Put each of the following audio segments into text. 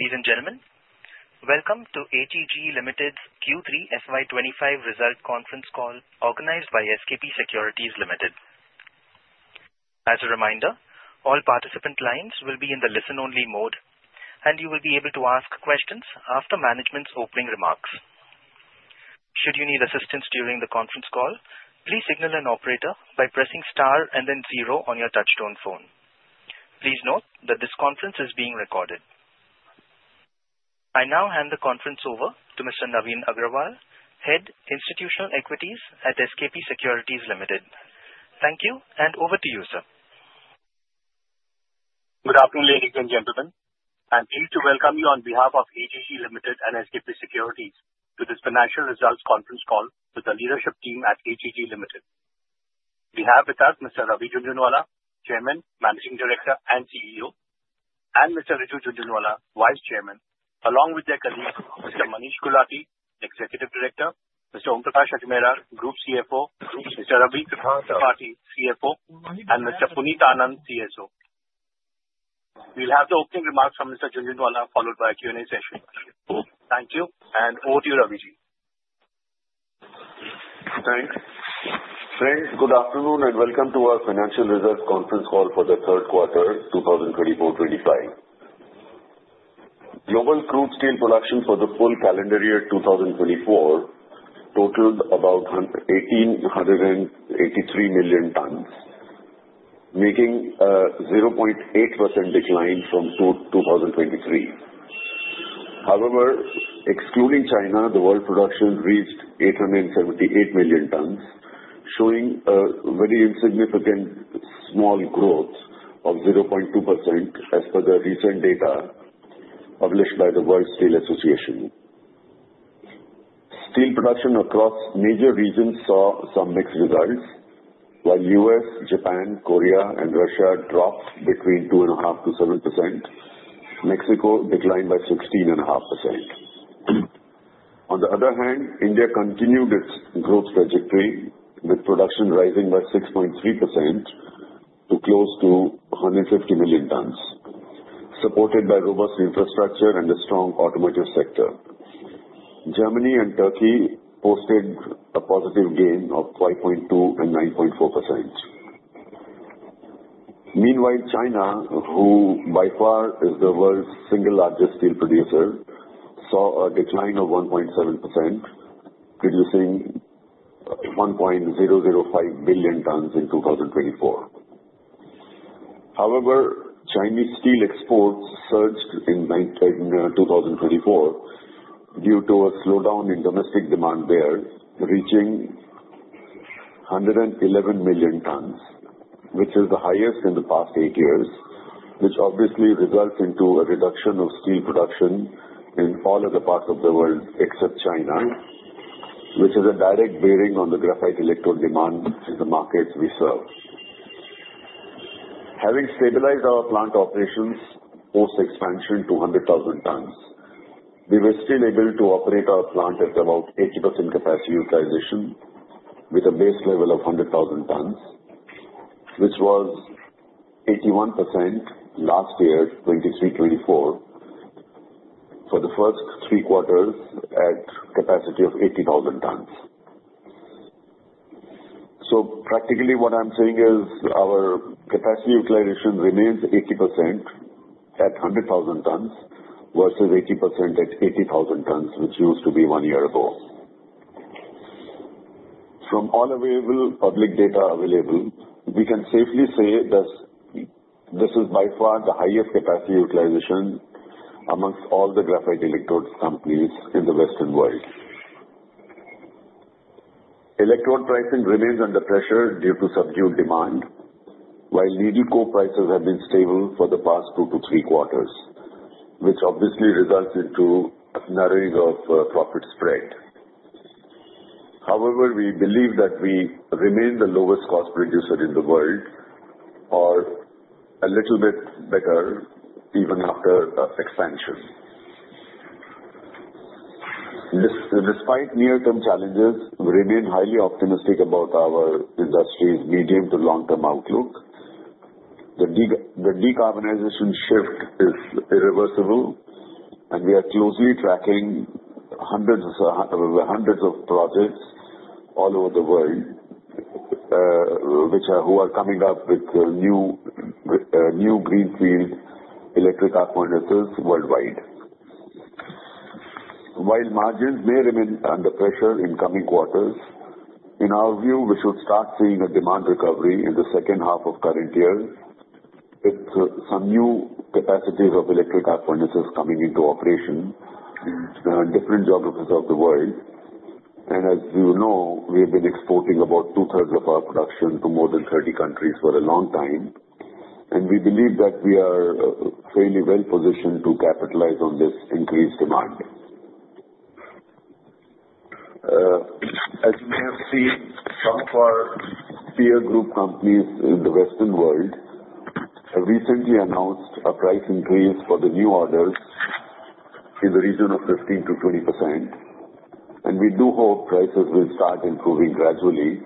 Ladies and gentlemen, welcome to HEG Limited's Q3 FY 2025 result conference call organized by SKP Securities Limited. As a reminder, all participant lines will be in the listen-only mode, and you will be able to ask questions after management's opening remarks. Should you need assistance during the conference call, please signal an operator by pressing star and then zero on your touch-tone phone. Please note that this conference is being recorded. I now hand the conference over to Mr. Navin Agrawal, Head of Institutional Equities at SKP Securities Limited. Thank you, and over to you, sir. Good afternoon, ladies and gentlemen. I'm pleased to welcome you on behalf of HEG Limited and SKP Securities to this financial results conference call with the leadership team at HEG Limited. We have with us Mr. Ravi Jhunjhunwala, Chairman, Managing Director, and CEO, and Mr. Riju Jhunjhunwala, Vice Chairman, along with their colleagues, Mr. Manish Gulati, Executive Director, Mr. Om Prakash Ajmera, Group CFO, Mr. Ravi Tripathi, CFO, and Mr. Puneet Anand, CSO. We'll have the opening remarks from Mr. Jhunjhunwala followed by a Q&A session. Thank you, and over to you, Ravi. Thanks. Thanks. Good afternoon, and welcome to our financial results conference call for the third quarter, 2024-25. Global crude steel production for the full calendar year 2024 totaled about 1,883 million tons, making a 0.8% decline from 2023. However, excluding China, the world production reached 878 million tons, showing a very insignificant small growth of 0.2% as per the recent data published by the World Steel Association. Steel production across major regions saw some mixed results, while U.S., Japan, Korea, and Russia dropped between 2.5%-7%. Mexico declined by 16.5%. On the other hand, India continued its growth trajectory, with production rising by 6.3% to close to 150 million tons, supported by robust infrastructure and a strong automotive sector. Germany and Turkey posted a positive gain of 5.2% and 9.4%. Meanwhile, China, who by far is the world's single largest steel producer, saw a decline of 1.7%, producing 1.005 billion tons in 2024. However, Chinese steel exports surged in 2024 due to a slowdown in domestic demand there, reaching 111 million tons, which is the highest in the past eight years, which obviously results in a reduction of steel production in all other parts of the world except China, which has a direct bearing on the graphite electrode demand in the markets we serve. Having stabilized our plant operations post-expansion to 100,000 tons, we were still able to operate our plant at about 80% capacity utilization, with a base level of 100,000 tons, which was 81% last year, 2023-2024, for the first three quarters at a capacity of 80,000 tons. So practically, what I'm saying is our capacity utilization remains 80% at 100,000 tons versus 80% at 80,000 tons, which used to be one year ago. From all available public data available, we can safely say this is by far the highest capacity utilization amongst all the graphite electrodes companies in the Western world. Electrode pricing remains under pressure due to subdued demand, while needle coke prices have been stable for the past two-to-three quarters, which obviously results in a narrowing of profit spread. However, we believe that we remain the lowest cost producer in the world, or a little bit better even after expansion. Despite near-term challenges, we remain highly optimistic about our industry's medium-to-long-term outlook. The decarbonization shift is irreversible, and we are closely tracking hundreds of projects all over the world who are coming up with new greenfield electric arc furnaces worldwide. While margins may remain under pressure in coming quarters, in our view, we should start seeing a demand recovery in the second half of the current year with some new capacities of electric arc furnaces coming into operation in different geographies of the world. And as you know, we have been exporting about 2/3 of our production to more than 30 countries for a long time, and we believe that we are fairly well positioned to capitalize on this increased demand. As you may have seen, some of our peer group companies in the Western world have recently announced a price increase for the new orders in the region of 15%-20%, and we do hope prices will start improving gradually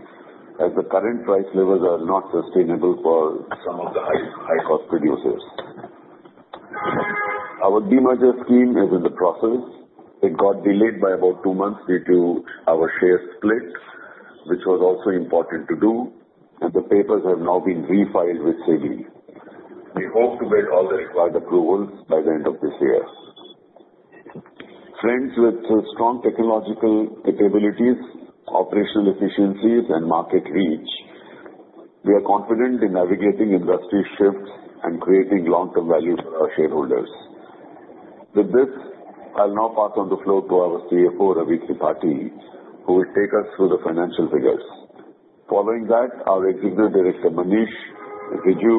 as the current price levels are not sustainable for some of the high-cost producers. Our demerger scheme is in the process. It got delayed by about two months due to our share split, which was also important to do, and the papers have now been refiled with CCI. We hope to get all the required approvals by the end of this year. Friends with strong technological capabilities, operational efficiencies, and market reach, we are confident in navigating industry shifts and creating long-term value for our shareholders. With this, I'll now pass on the floor to our CFO, Ravi Tripathi, who will take us through the financial figures. Following that, our Executive Director, Manish, Riju,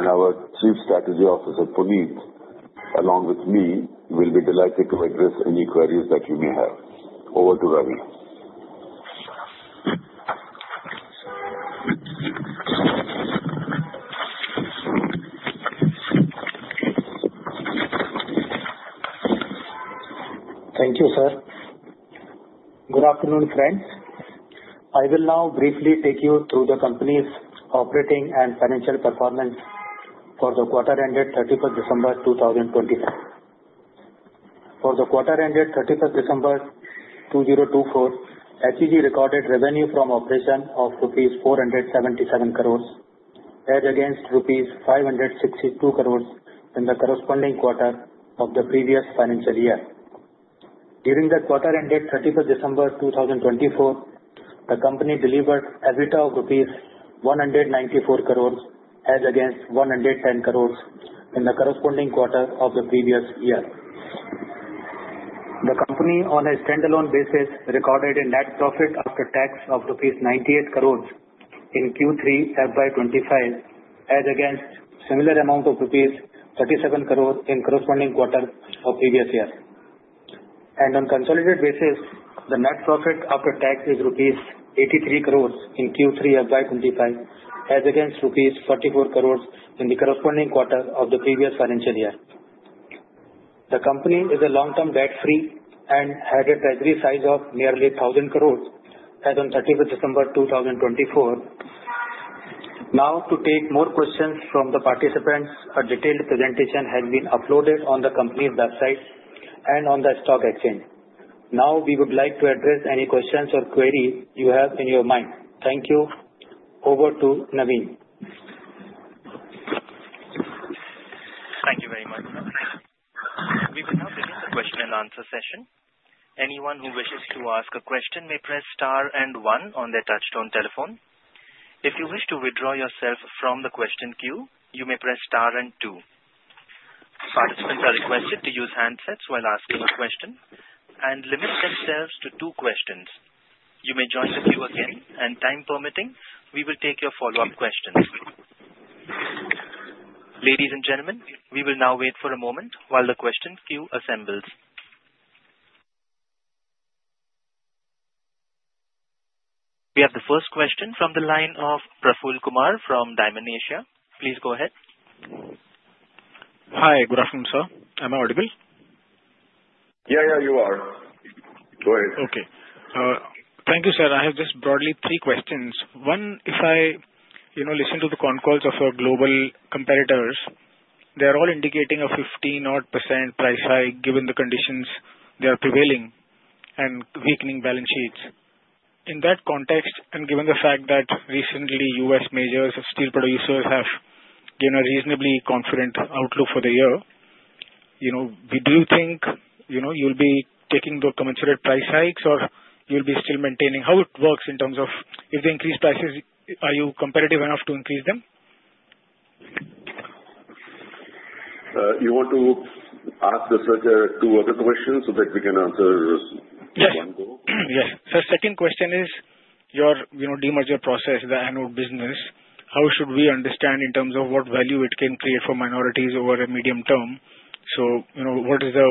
and our Chief Strategy Officer, Puneet, along with me, will be delighted to address any queries that you may have. Over to Ravi. Thank you, sir. Good afternoon, friends. I will now briefly take you through the company's operating and financial performance for the quarter ended 31st December 2024. For the quarter ended 31st December 2024, HEG recorded revenue from operations of rupees 477 crores as against rupees 562 crores in the corresponding quarter of the previous financial year. During the quarter ended 31st December 2024, the company delivered EBITDA of rupees 194 crores as against 110 crores in the corresponding quarter of the previous year. The company, on a standalone basis, recorded a net profit after tax of rupees 98 crores in Q3 FY 2025 as against a similar amount of rupees 37 crores in the corresponding quarter of the previous year. On a consolidated basis, the net profit after tax is 83 crores rupees in Q3 FY 2025 as against 44 crores rupees in the corresponding quarter of the previous financial year. The company is a long-term debt-free and had a treasury size of nearly 1,000 crores as on 31st December 2024. Now, to take more questions from the participants, a detailed presentation has been uploaded on the company's website and on the stock exchange. Now, we would like to address any questions or queries you have in your mind. Thank you. Over to Navin. Thank you very much. We will now begin the question-and-answer session. Anyone who wishes to ask a question may press star and one on their touch-tone telephone. If you wish to withdraw yourself from the question queue, you may press star and two. Participants are requested to use handsets while asking a question and limit themselves to two questions. You may join the queue again, and time permitting, we will take your follow-up questions. Ladies and gentlemen, we will now wait for a moment while the question queue assembles. We have the first question from the line of Praful Kumar from Dymon Asia. Please go ahead. Hi, good afternoon, sir. Am I audible? Yeah, yeah, you are. Go ahead. Okay. Thank you, sir. I have just broadly three questions. One, if I listen to the con calls of our global competitors, they are all indicating a 15-odd % price hike given the prevailing conditions and weakening balance sheets. In that context, and given the fact that recently U.S. major steel producers have given a reasonably confident outlook for the year, do you think you'll be taking the commensurate price hikes or will you still be maintaining how it works in terms of if they increase prices, are you competitive enough to increase them? You want to ask the second two other questions so that we can answer one more? Yes. Yes. So the second question is your demerger process, the anode business. How should we understand in terms of what value it can create for minorities over a medium term? So what is the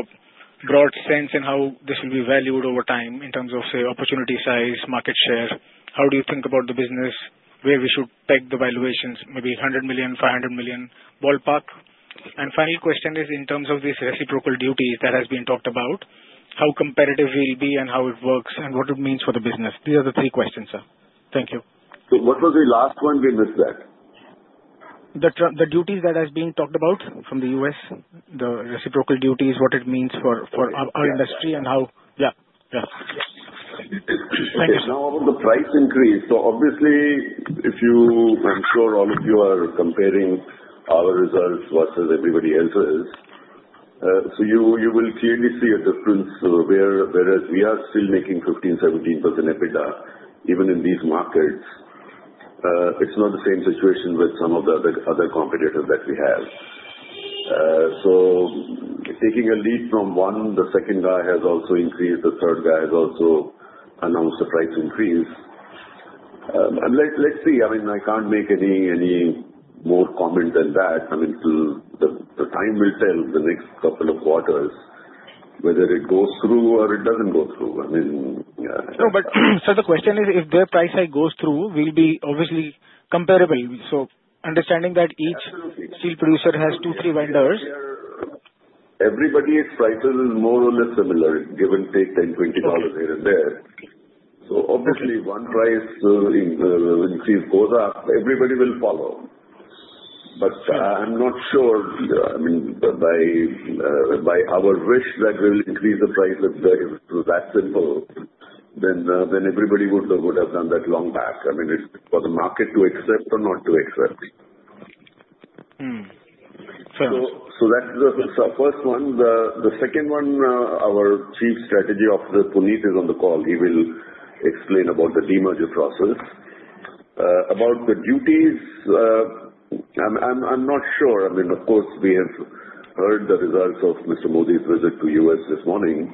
broad sense and how this will be valued over time in terms of, say, opportunity size, market share? How do you think about the business, where we should peg the valuations, maybe 100 million, 500 million ballpark? And the final question is in terms of these reciprocal duties that have been talked about, how competitive will be and how it works and what it means for the business. These are the three questions, sir. Thank you. What was the last one we missed that? The duties that have been talked about from the U.S., the reciprocal duties, what it means for our industry and how, yeah, yeah. Thank you. Now, about the price increase. So obviously, if you, I'm sure all of you are comparing our results versus everybody else's, so you will clearly see a difference, whereas we are still making 15%, 17% EBITDA even in these markets. It's not the same situation with some of the other competitors that we have, so taking a lead from one, the second guy has also increased. The third guy has also announced a price increase. Let's see. I mean, I can't make any more comment than that. I mean, the time will tell the next couple of quarters whether it goes through or it doesn't go through. I mean. No, but so the question is if their price hike goes through, we'll be obviously comparable. So understanding that each steel producer has two, three vendors. Everybody's prices are more or less similar, give and take $10, $20 here and there. So obviously, one price increase goes up, everybody will follow. But I'm not sure. I mean, by our wish that we will increase the price, if that's simple, then everybody would have done that long back. I mean, it's for the market to accept or not to accept. So. So that's the first one. The second one, our Chief Strategy Officer, Puneet, is on the call. He will explain about the demerger process. About the duties, I'm not sure. I mean, of course, we have heard the results of Mr. Modi's visit to the U.S. this morning.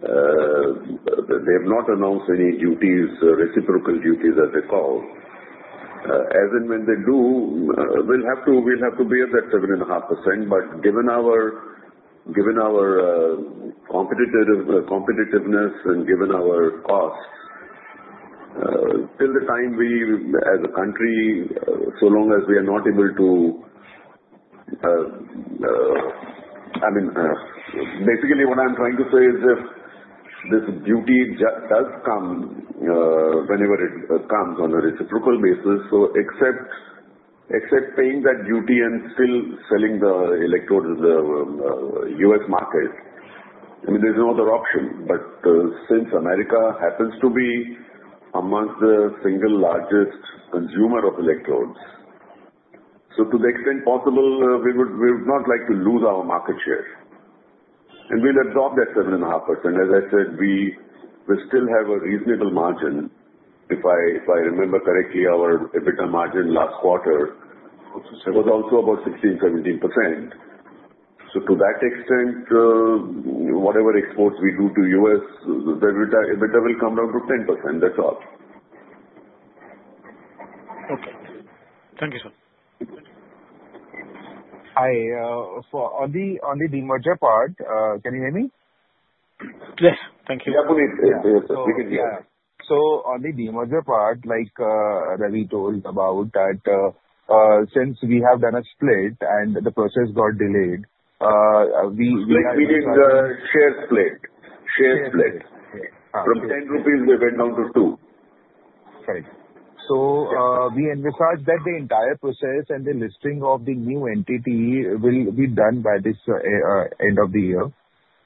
They have not announced any duties, reciprocal duties as they call. As in when they do, we'll have to be at that 7.5%. But given our competitiveness and given our cost, till the time we as a country, so long as we are not able to I mean, basically, what I'm trying to say is if this duty does come whenever it comes on a reciprocal basis, so except paying that duty and still selling the electrodes in the U.S. market, I mean, there's no other option. But since America happens to be amongst the single largest consumer of electrodes, so to the extent possible, we would not like to lose our market share. And we'll absorb that 7.5%. As I said, we still have a reasonable margin. If I remember correctly, our EBITDA margin last quarter was also about 16%, 17%. So to that extent, whatever exports we do to the U.S., the EBITDA will come down to 10%. That's all. Okay. Thank you, sir. Hi. So on the demerger part, can you hear me? Yes. Thank you. Yeah, Puneet. Yeah, so on the demerger part, like Ravi told about that, since we have done a split and the process got delayed, we have to. We did the share split. Share split. From 10 rupees, we went down to two. Correct. So we envisage that the entire process and the listing of the new entity will be done by the end of this year.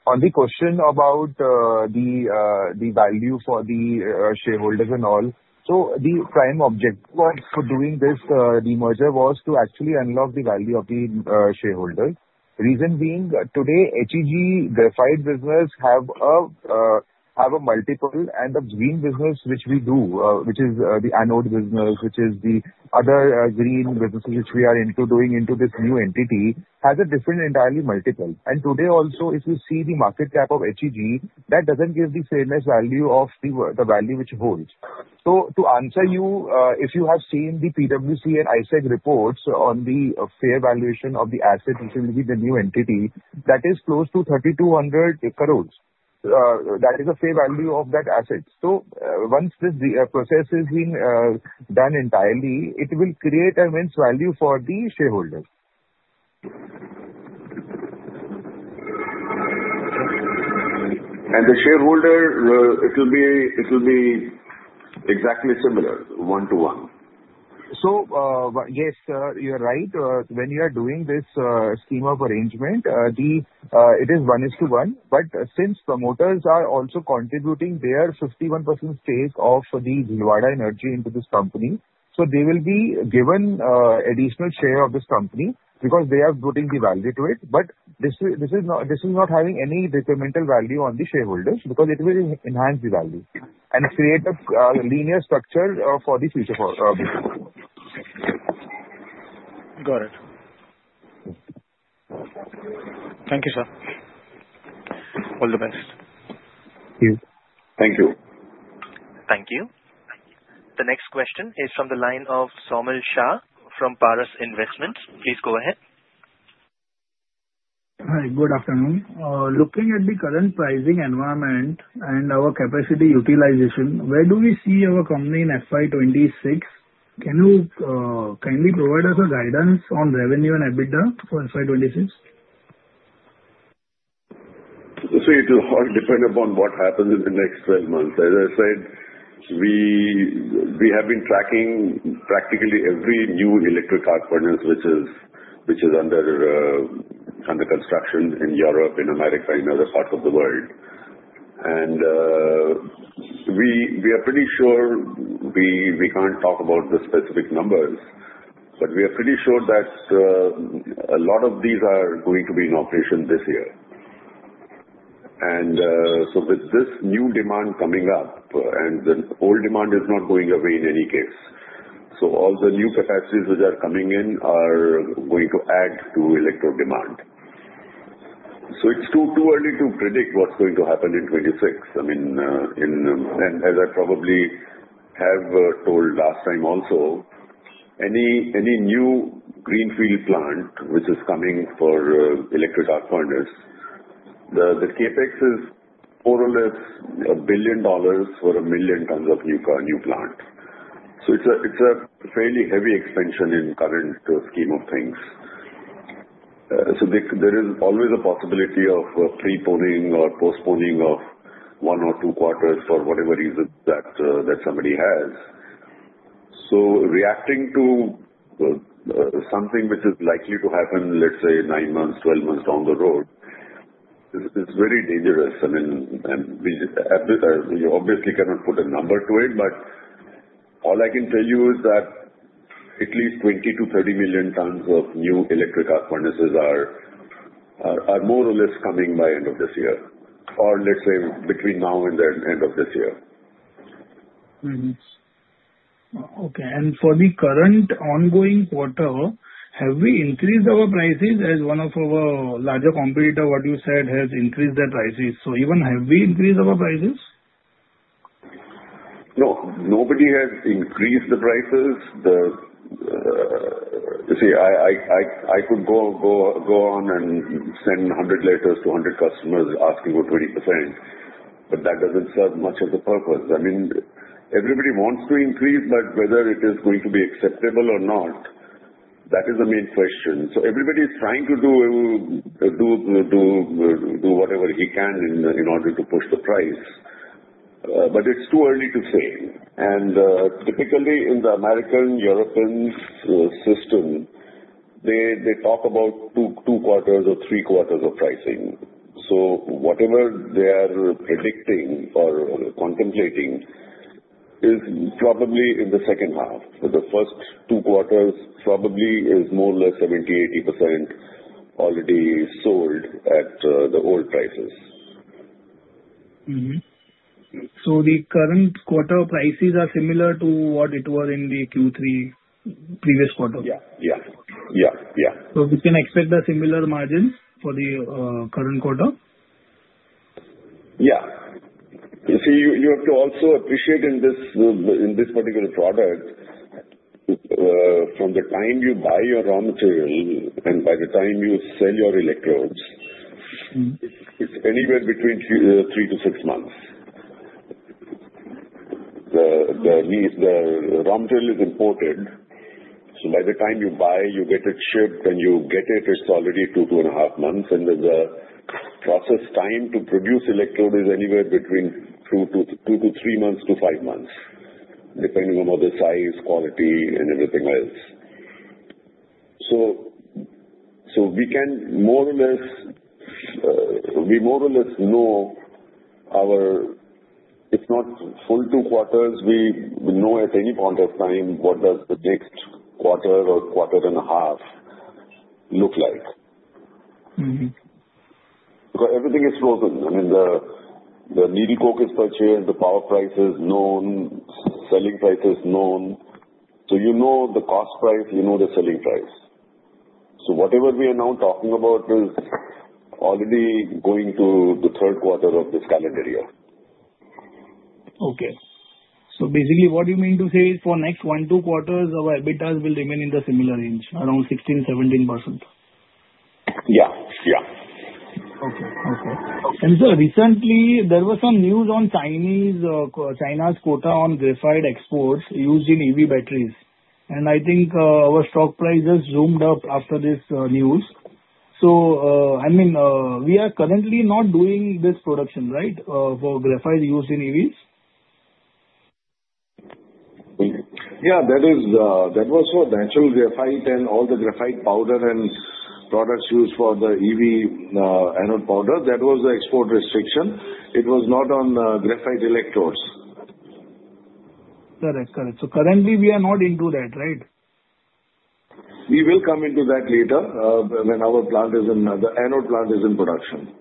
On the question about the value for the shareholders and all, so the prime objective of doing this demerger was to actually unlock the value of the shareholders. Reason being, today, HEG, their five businesses have a multiple, and the green business, which we do, which is the anode business, which is the other green businesses which we are into doing into this new entity, has an entirely different multiple. And today, also, if you see the market cap of HEG, that doesn't give the fair value of the value it holds. So to answer you, if you have seen the PwC and ICICI Securities reports on the fair valuation of the asset which will be the new entity, that is close to 3,200 crores. That is a fair value of that asset. So once this process is being done entirely, it will create immense value for the shareholders. And the shareholder, it will be exactly similar, one-to-one. So yes, sir, you're right. When you are doing this scheme of arrangement, it is one-to-one. But since promoters are also contributing their 51% stake of the Bhilwara Energy into this company, so they will be given an additional share of this company because they are putting the value to it. But this is not having any detrimental value on the shareholders because it will enhance the value and create a linear structure for the future. Got it. Thank you, sir. All the best. Thank you. Thank you. Thank you. The next question is from the line of Saumil Shah from Paras Investments. Please go ahead. Hi. Good afternoon. Looking at the current pricing environment and our capacity utilization, where do we see our company in FY 2026? Can you kindly provide us a guidance on revenue and EBITDA for FY 2026? So it will all depend upon what happens in the next 12 months. As I said, we have been tracking practically every new electric arc furnace which is under construction in Europe, in America, in other parts of the world. And we are pretty sure we can't talk about the specific numbers, but we are pretty sure that a lot of these are going to be in operation this year. And so with this new demand coming up, and the old demand is not going away in any case. So all the new capacities which are coming in are going to add to electric demand. So it's too early to predict what's going to happen in 2026. I mean, and as I probably have told last time also, any new greenfield plant which is coming for electric arc furnace, the CapEx is more or less $1 billion for 1 million tons of new plant. So it's a fairly heavy expansion in the current scheme of things. So there is always a possibility of preponing or postponing of one or two quarters for whatever reason that somebody has. So reacting to something which is likely to happen, let's say, 9 months, 12 months down the road, is very dangerous. I mean, you obviously cannot put a number to it, but all I can tell you is that at least 20 million-30 million tons of new electric arc furnaces are more or less coming by end of this year, or let's say between now and the end of this year. Okay. And for the current ongoing quarter, have we increased our prices as one of our larger competitors, what you said, has increased their prices? So, even have we increased our prices? No. Nobody has increased the prices. You see, I could go on and send 100 letters to 100 customers asking for 20%, but that doesn't serve much of a purpose. I mean, everybody wants to increase, but whether it is going to be acceptable or not, that is the main question. So everybody is trying to do whatever he can in order to push the price. But it's too early to say. And typically, in the American-European system, they talk about two quarters or three quarters of pricing. So whatever they are predicting or contemplating is probably in the second half. But the first two quarters probably is more or less 70%-80% already sold at the old prices. So the current quarter prices are similar to what it was in the Q3 previous quarter? Yeah. Yeah. Yeah. Yeah. So we can expect a similar margin for the current quarter? Yeah. You see, you have to also appreciate in this particular product, from the time you buy your raw material and by the time you sell your electrodes, it's anywhere between three to six months. The raw material is imported. So by the time you buy, you get it shipped, and you get it, it's already two, two and a half months. And the process time to produce electrodes is anywhere between two to three months to five months, depending on the size, quality, and everything else. So we can more or less know our order book if not full two quarters, we know at any point of time what the next quarter or quarter and a half look like. Because everything is frozen. I mean, the needle coke is purchased, the power price is known, selling price is known. So you know the cost price, you know the selling price. So whatever we are now talking about is already going to the third quarter of this calendar year. Okay. So basically, what you mean to say is for next one, two quarters, our EBITDAs will remain in the similar range, around 16%-17%? Yeah. Yeah. And sir, recently, there was some news on China's quota on graphite exports used in EV batteries. And I think our stock prices zoomed up after this news. So I mean, we are currently not doing this production, right, for graphite used in EVs? Yeah. That was for natural graphite and all the graphite powder and products used for the EV anode powder. That was the export restriction. It was not on graphite electrodes. Correct. Correct. So currently, we are not into that, right? We will come into that later when our anode plant is in production.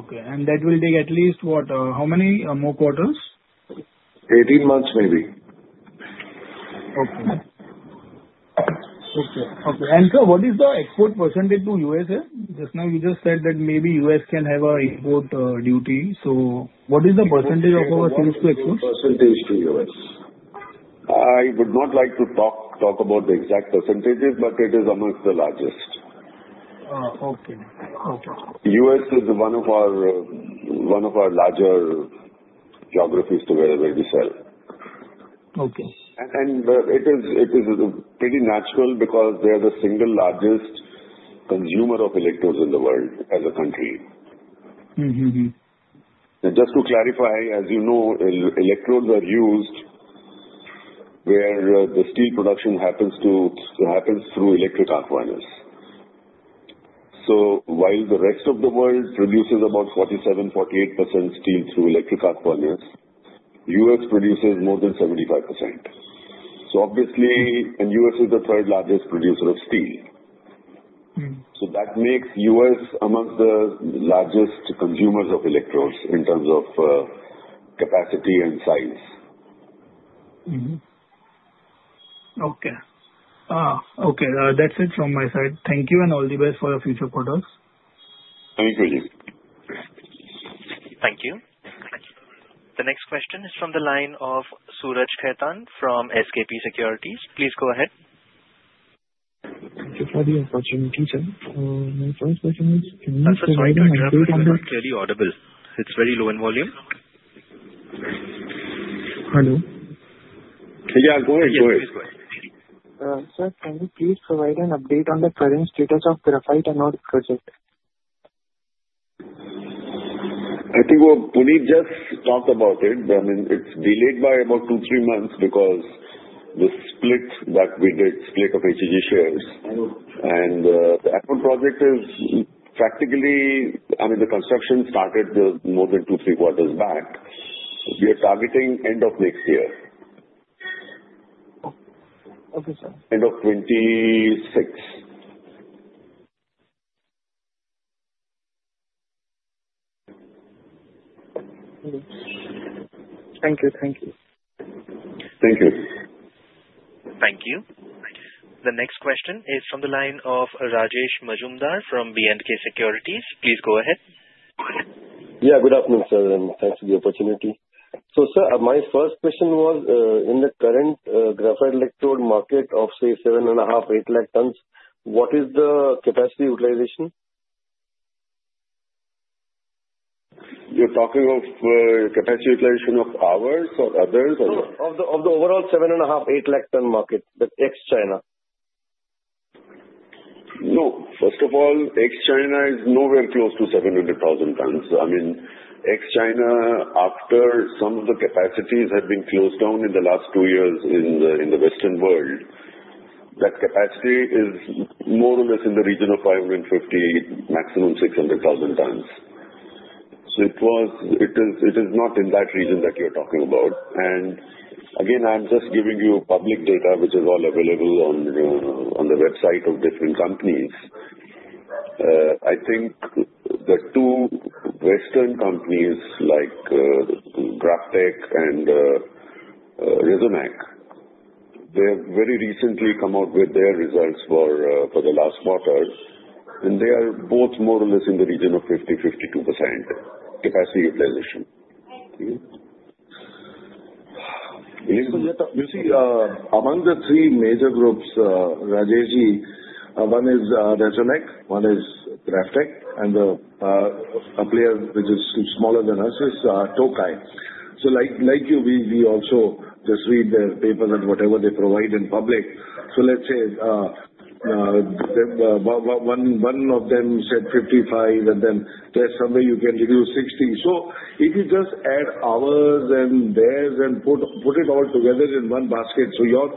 Okay. And that will take at least what? How many more quarters? 18 months, maybe. Okay. Sir, what is the export percentage to the U.S., sir? Just now, you just said that maybe the U.S. can have an import duty. So what is the percentage of our sales to export? What is the percentage to the U.S.? I would not like to talk about the exact percentages, but it is among the largest. Oh, okay. Okay. The U.S. is one of our larger geographies where we sell. Okay. It is pretty natural because they are the single largest consumer of electrodes in the world as a country. Just to clarify, as you know, electrodes are used where the steel production happens through electric arc furnaces. While the rest of the world produces about 47%-48% steel through electric arc furnaces, the U.S. produces more than 75%. Obviously, the U.S. is the third largest producer of steel. That makes the U.S. amongst the largest consumers of electrodes in terms of capacity and size. Okay. Okay. That's it from my side. Thank you, and all the best for your future products. Thank you. Thank you. The next question is from the line of Suraj Khaitan from SKP Securities. Please go ahead. Thank you for the opportunity, sir. My first question is, can you provide an update on the? I'm sorry. My name is not clearly audible. It's very low in volume. Hello? Yeah. Go ahead. Go ahead. Sir, can you please provide an update on the current status of the Graphite Anode project? I think Puneet just talked about it. I mean, it's delayed by about two, three months because the split that we did, split of HEG shares. And the anode project is practically I mean, the construction started more than two, three quarters back. We are targeting end of next year. Okay, sir. End of 2026. Thank you. Thank you. Thank you. Thank you. The next question is from the line of Rajesh Majumdar from B&K Securities. Please go ahead. Yeah. Good afternoon, sir. And thanks for the opportunity. So sir, my first question was, in the current graphite electrode market of, say, seven and a half, eight lakh tons, what is the capacity utilization? You're talking of capacity utilization of ours or others or? Of the overall 7.5 lakh-8 lakh ton market, ex-China. No. First of all, ex-China is nowhere close to 700,000 tons. I mean, ex-China, after some of the capacities have been closed down in the last two years in the Western world, that capacity is more or less in the region of 550, maximum 600,000 tons. So it is not in that region that you're talking about. And again, I'm just giving you public data which is all available on the website of different companies. I think the two Western companies like GrafTech and Resonac, they have very recently come out with their results for the last quarter. And they are both more or less in the region of 50%-52% capacity utilization. You see, among the three major groups, Rajesh, one is Resonac, one is GrafTech, and a player which is smaller than us is Tokai. So like you, we also just read their papers and whatever they provide in public. So let's say one of them said 55, and then there's somewhere you can read 60. So if you just add ours and theirs and put it all together in one basket, so your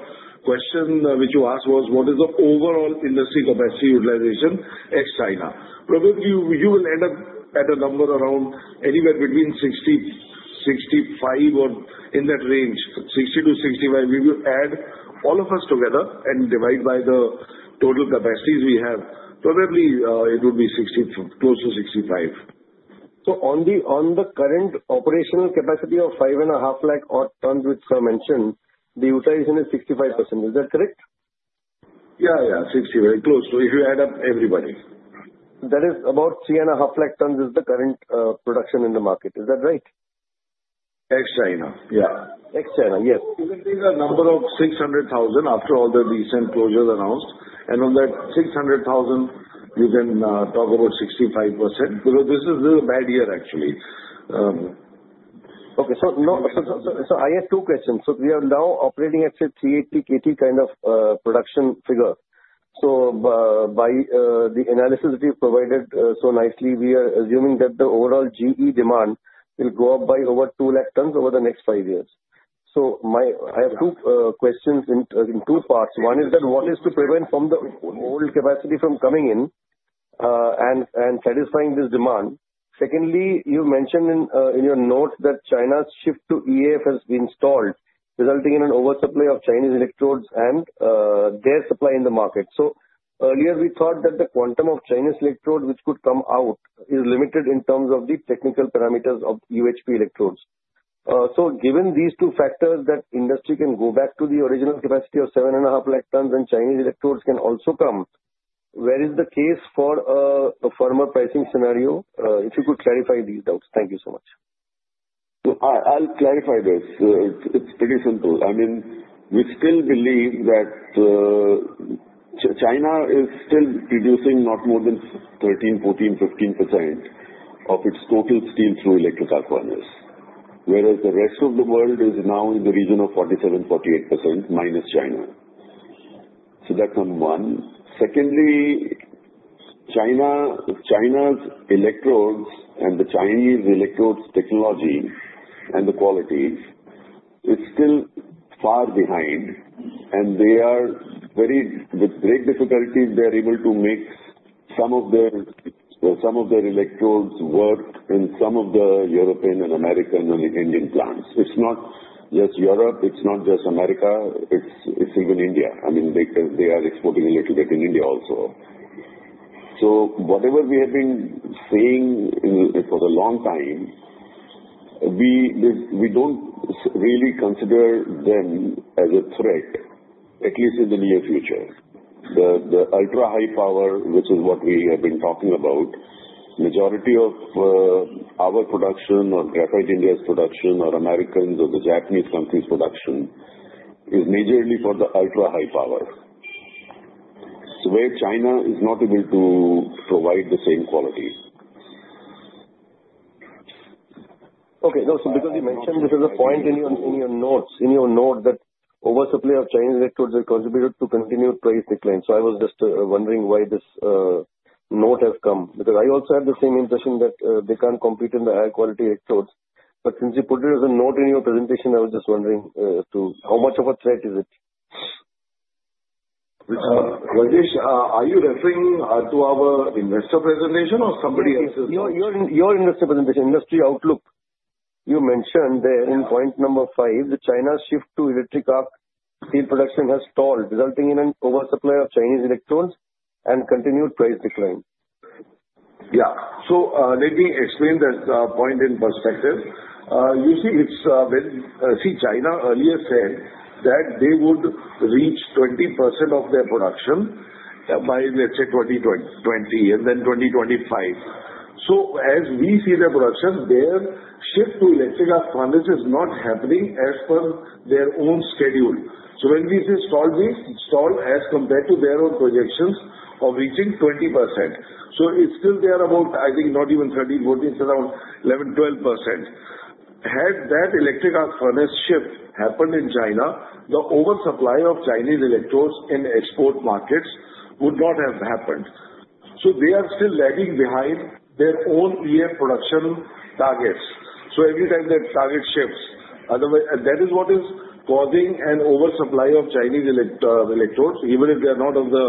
question which you asked was, what is the overall industry capacity utilization ex-China? Probably you will end up at a number around anywhere between 60-65, or in that range, 60-65. We will add all of us together and divide by the total capacities we have. Probably it would be close to 65. So on the current operational capacity of five and a half lakh tons which sir mentioned, the utilization is 65%. Is that correct? Yeah. Yeah. 60, very close. So if you add up everybody. That is about three and a half lakh tons is the current production in the market. Is that right? Ex-China. Yeah. Ex-China. Yes. You can take a number of 600,000 after all the recent closures announced. And on that 600,000, you can talk about 65% because this is a bad year, actually. Okay. So I have two questions. So we are now operating at a 380, 380 kind of production figure. So by the analysis that you provided so nicely, we are assuming that the overall GE demand will go up by over two lakh tons over the next five years. So I have two questions in two parts. One is that what is to prevent the old capacity from coming in and satisfying this demand? Secondly, you mentioned in your notes that China's shift to EAF has been stalled, resulting in an oversupply of Chinese electrodes and their supply in the market. So earlier, we thought that the quantum of Chinese electrodes which could come out is limited in terms of the technical parameters of UHP electrodes. So given these two factors, that industry can go back to the original capacity of seven and a half lakh tons and Chinese electrodes can also come, where is the case for a firmer pricing scenario? If you could clarify these doubts. Thank you so much. I'll clarify this. It's pretty simple. I mean, we still believe that China is still producing not more than 13%, 14%, 15% of its total steel through electric arc furnaces, whereas the rest of the world is now in the region of 47%-48% minus China. So that's number one. Secondly, China's electrodes and the Chinese electrodes technology and the quality is still far behind. And with great difficulty, they are able to make some of their electrodes work in some of the European and American and Indian plants. It's not just Europe. It's not just America. It's even India. I mean, they are exporting a little bit in India also. So whatever we have been saying for a long time, we don't really consider them as a threat, at least in the near future. The Ultra-High Power, which is what we have been talking about, the majority of our production or Graphite India's production or Americans or the Japanese companies' production is majorly for the Ultra-High Power. So where China is not able to provide the same quality. Okay. No, so because you mentioned this as a point in your notes, in your note that oversupply of Chinese electrodes has contributed to continued price decline. So I was just wondering why this note has come because I also had the same impression that they can't compete in the high-quality electrodes. But since you put it as a note in your presentation, I was just wondering how much of a threat is it? Rajesh, are you referring to our investor presentation or somebody else's? Your investor presentation, Industry Outlook. You mentioned there in point number five, the China shift to electric arc steel production has stalled, resulting in an oversupply of Chinese electrodes and continued price decline. Yeah. So let me explain that point in perspective. You see, it's when see, China earlier said that they would reach 20% of their production by, let's say, 2020 and then 2025. So as we see their production, their shift to electric arc furnaces is not happening as per their own schedule. So when we say stall, we stall as compared to their own projections of reaching 20%. So it's still there about, I think, not even 30, 40, it's around 11%-12%. Had that electric arc furnaces shift happened in China, the oversupply of Chinese electrodes in export markets would not have happened. So they are still lagging behind their own EAF production targets. So every time that target shifts, that is what is causing an oversupply of Chinese electrodes, even if they are not of the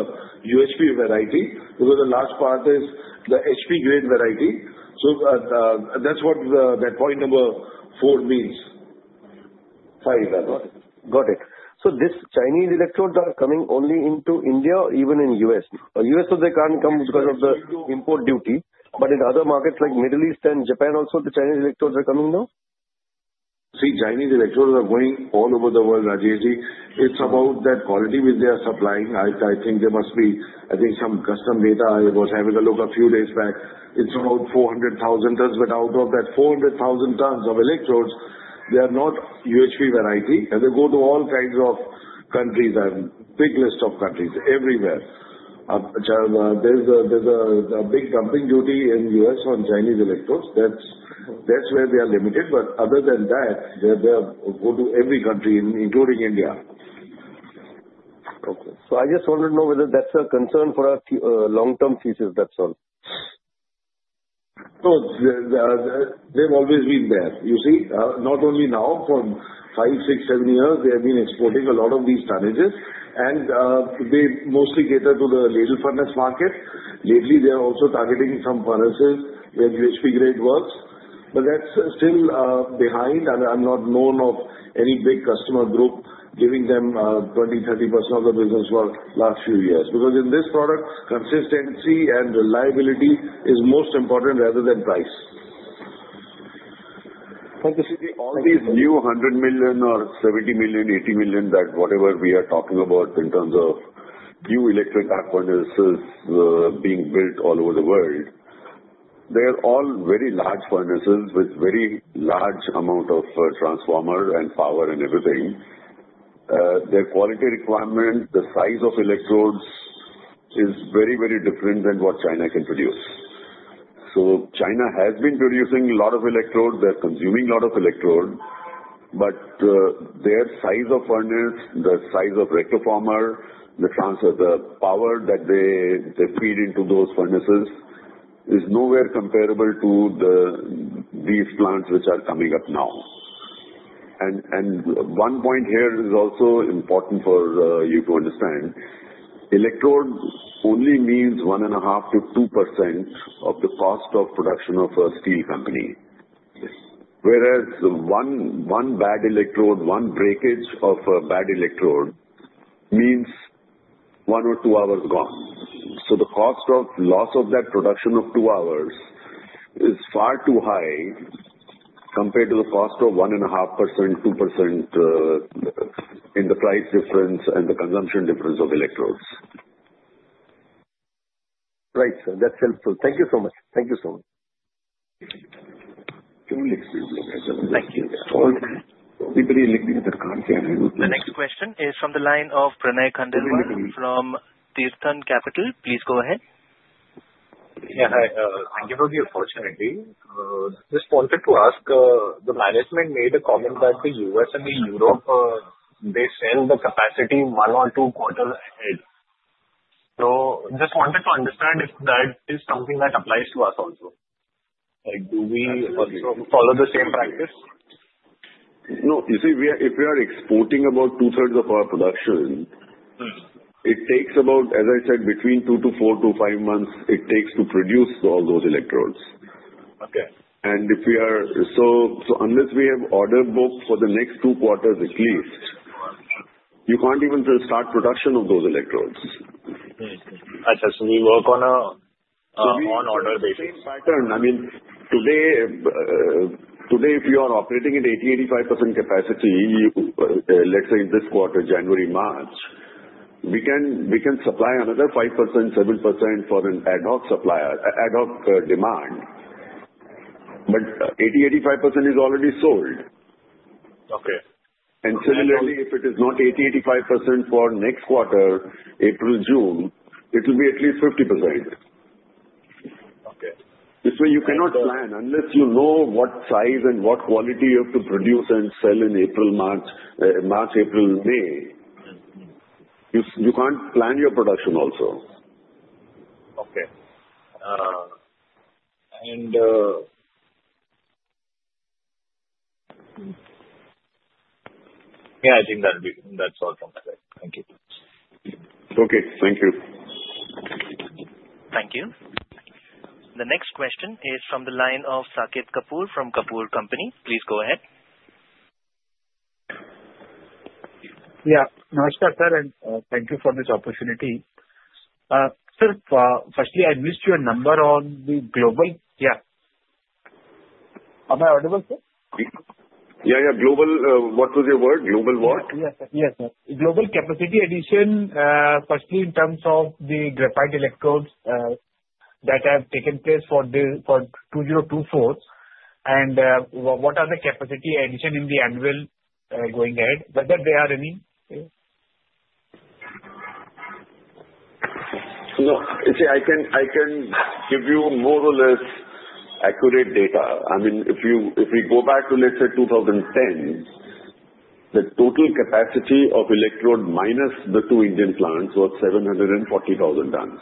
UHP variety because a large part is the HP grade variety. So that's what that Point number 4 means. Five. Got it. So these Chinese electrodes are coming only into India or even in the U.S.? U.S., so they can't come because of the import duty, but in other markets like the Middle East and Japan also, the Chinese electrodes are coming now? See, Chinese electrodes are going all over the world, Rajesh. It's about that quality which they are supplying. I think there must be, I think, some customs data. I was having a look a few days back. It's about 400,000 tons. But out of that 400,000 tons of electrodes, they are not UHP variety. And they go to all kinds of countries, a big list of countries, everywhere. There's a big dumping duty in the U.S. on Chinese electrodes. That's where they are limited. But other than that, they go to every country, including India. Okay, so I just wanted to know whether that's a concern for a long-term thesis. That's all. So they've always been there. You see, not only now, for five, six, seven years, they have been exporting a lot of these tonnages. And they mostly cater to the little furnaces market. Lately, they are also targeting some furnaces where UHP grade works. But that's still behind, and I'm not known of any big customer group giving them 20%-30% of the business for the last few years because in this product, consistency and reliability is most important rather than price. But you see, all these new 100 million or 70 million, 80 million, that whatever we are talking about in terms of new electric arc furnaces being built all over the world, they are all very large furnaces with very large amount of transformer and power and everything. Their quality requirement, the size of electrodes is very, very different than what China can produce. So China has been producing a lot of electrodes. They're consuming a lot of electrodes. But their size of furnaces, the size of transformer, the power that they feed into those furnaces is nowhere comparable to these plants which are coming up now. And one point here is also important for you to understand. Electrode only means one and a half to two % of the cost of production of a steel company, whereas one bad electrode, one breakage of a bad electrode means one or two hours gone. So the cost of loss of that production of two hours is far too high compared to the cost of one and a half %, two % in the price difference and the consumption difference of electrodes. Right. That's helpful. Thank you so much. Thank you so much. Thank you. The next question is from the line of Pranay Khandelwal from Tirthan Capital. Please go ahead. Yeah. Hi. Thank you for the opportunity. Just wanted to ask, the management made a comment that the U.S. and Europe, they sell the capacity one or two quarters ahead. So just wanted to understand if that is something that applies to us also. Do we follow the same practice? No. You see, if we are exporting about 2/3 of our production, it takes about, as I said, between two to four to five months. It takes to produce all those electrodes. And if we are so unless we have order books for the next two quarters at least, you can't even start production of those electrodes. I see. So we work on an order basis. I mean, today, if you are operating at 80%-85% capacity, let's say this quarter, January-March, we can supply another 5%-7% for an ad hoc demand. But 80%-85% is already sold. And similarly, if it is not 80%-85% for next quarter, April-June, it will be at least 50%. This way, you cannot plan unless you know what size and what quality you have to produce and sell in April, March, April, May. You can't plan your production also. Okay, and yeah, I think that's all from my side. Thank you. Okay. Thank you. Thank you. The next question is from the line of Saket Kapoor from Kapoor & Company. Please go ahead. No, I'm just thank you for this opportunity. Sir, firstly, I missed your number on the global. Yeah. Am I audible, sir? Yeah. Yeah. Global, what was your word? Global what? Yes, sir. Yes, sir. Global capacity addition, firstly, in terms of the graphite electrodes that have taken place for 2024. And what are the capacity addition in the annual going ahead? Whether there are any? No. See, I can give you more or less accurate data. I mean, if we go back to, let's say, 2010, the total capacity of electrode minus the two Indian plants was 740,000 tons.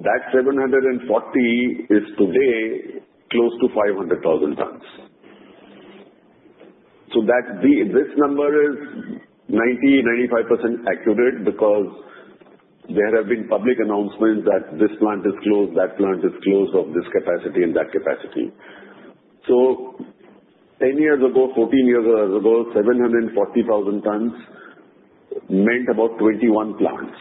That 740 is today close to 500,000 tons. So this number is 90%-95% accurate because there have been public announcements that this plant is closed, that plant is closed of this capacity and that capacity. So 10 years ago, 14 years ago, 740,000 tons meant about 21 plants.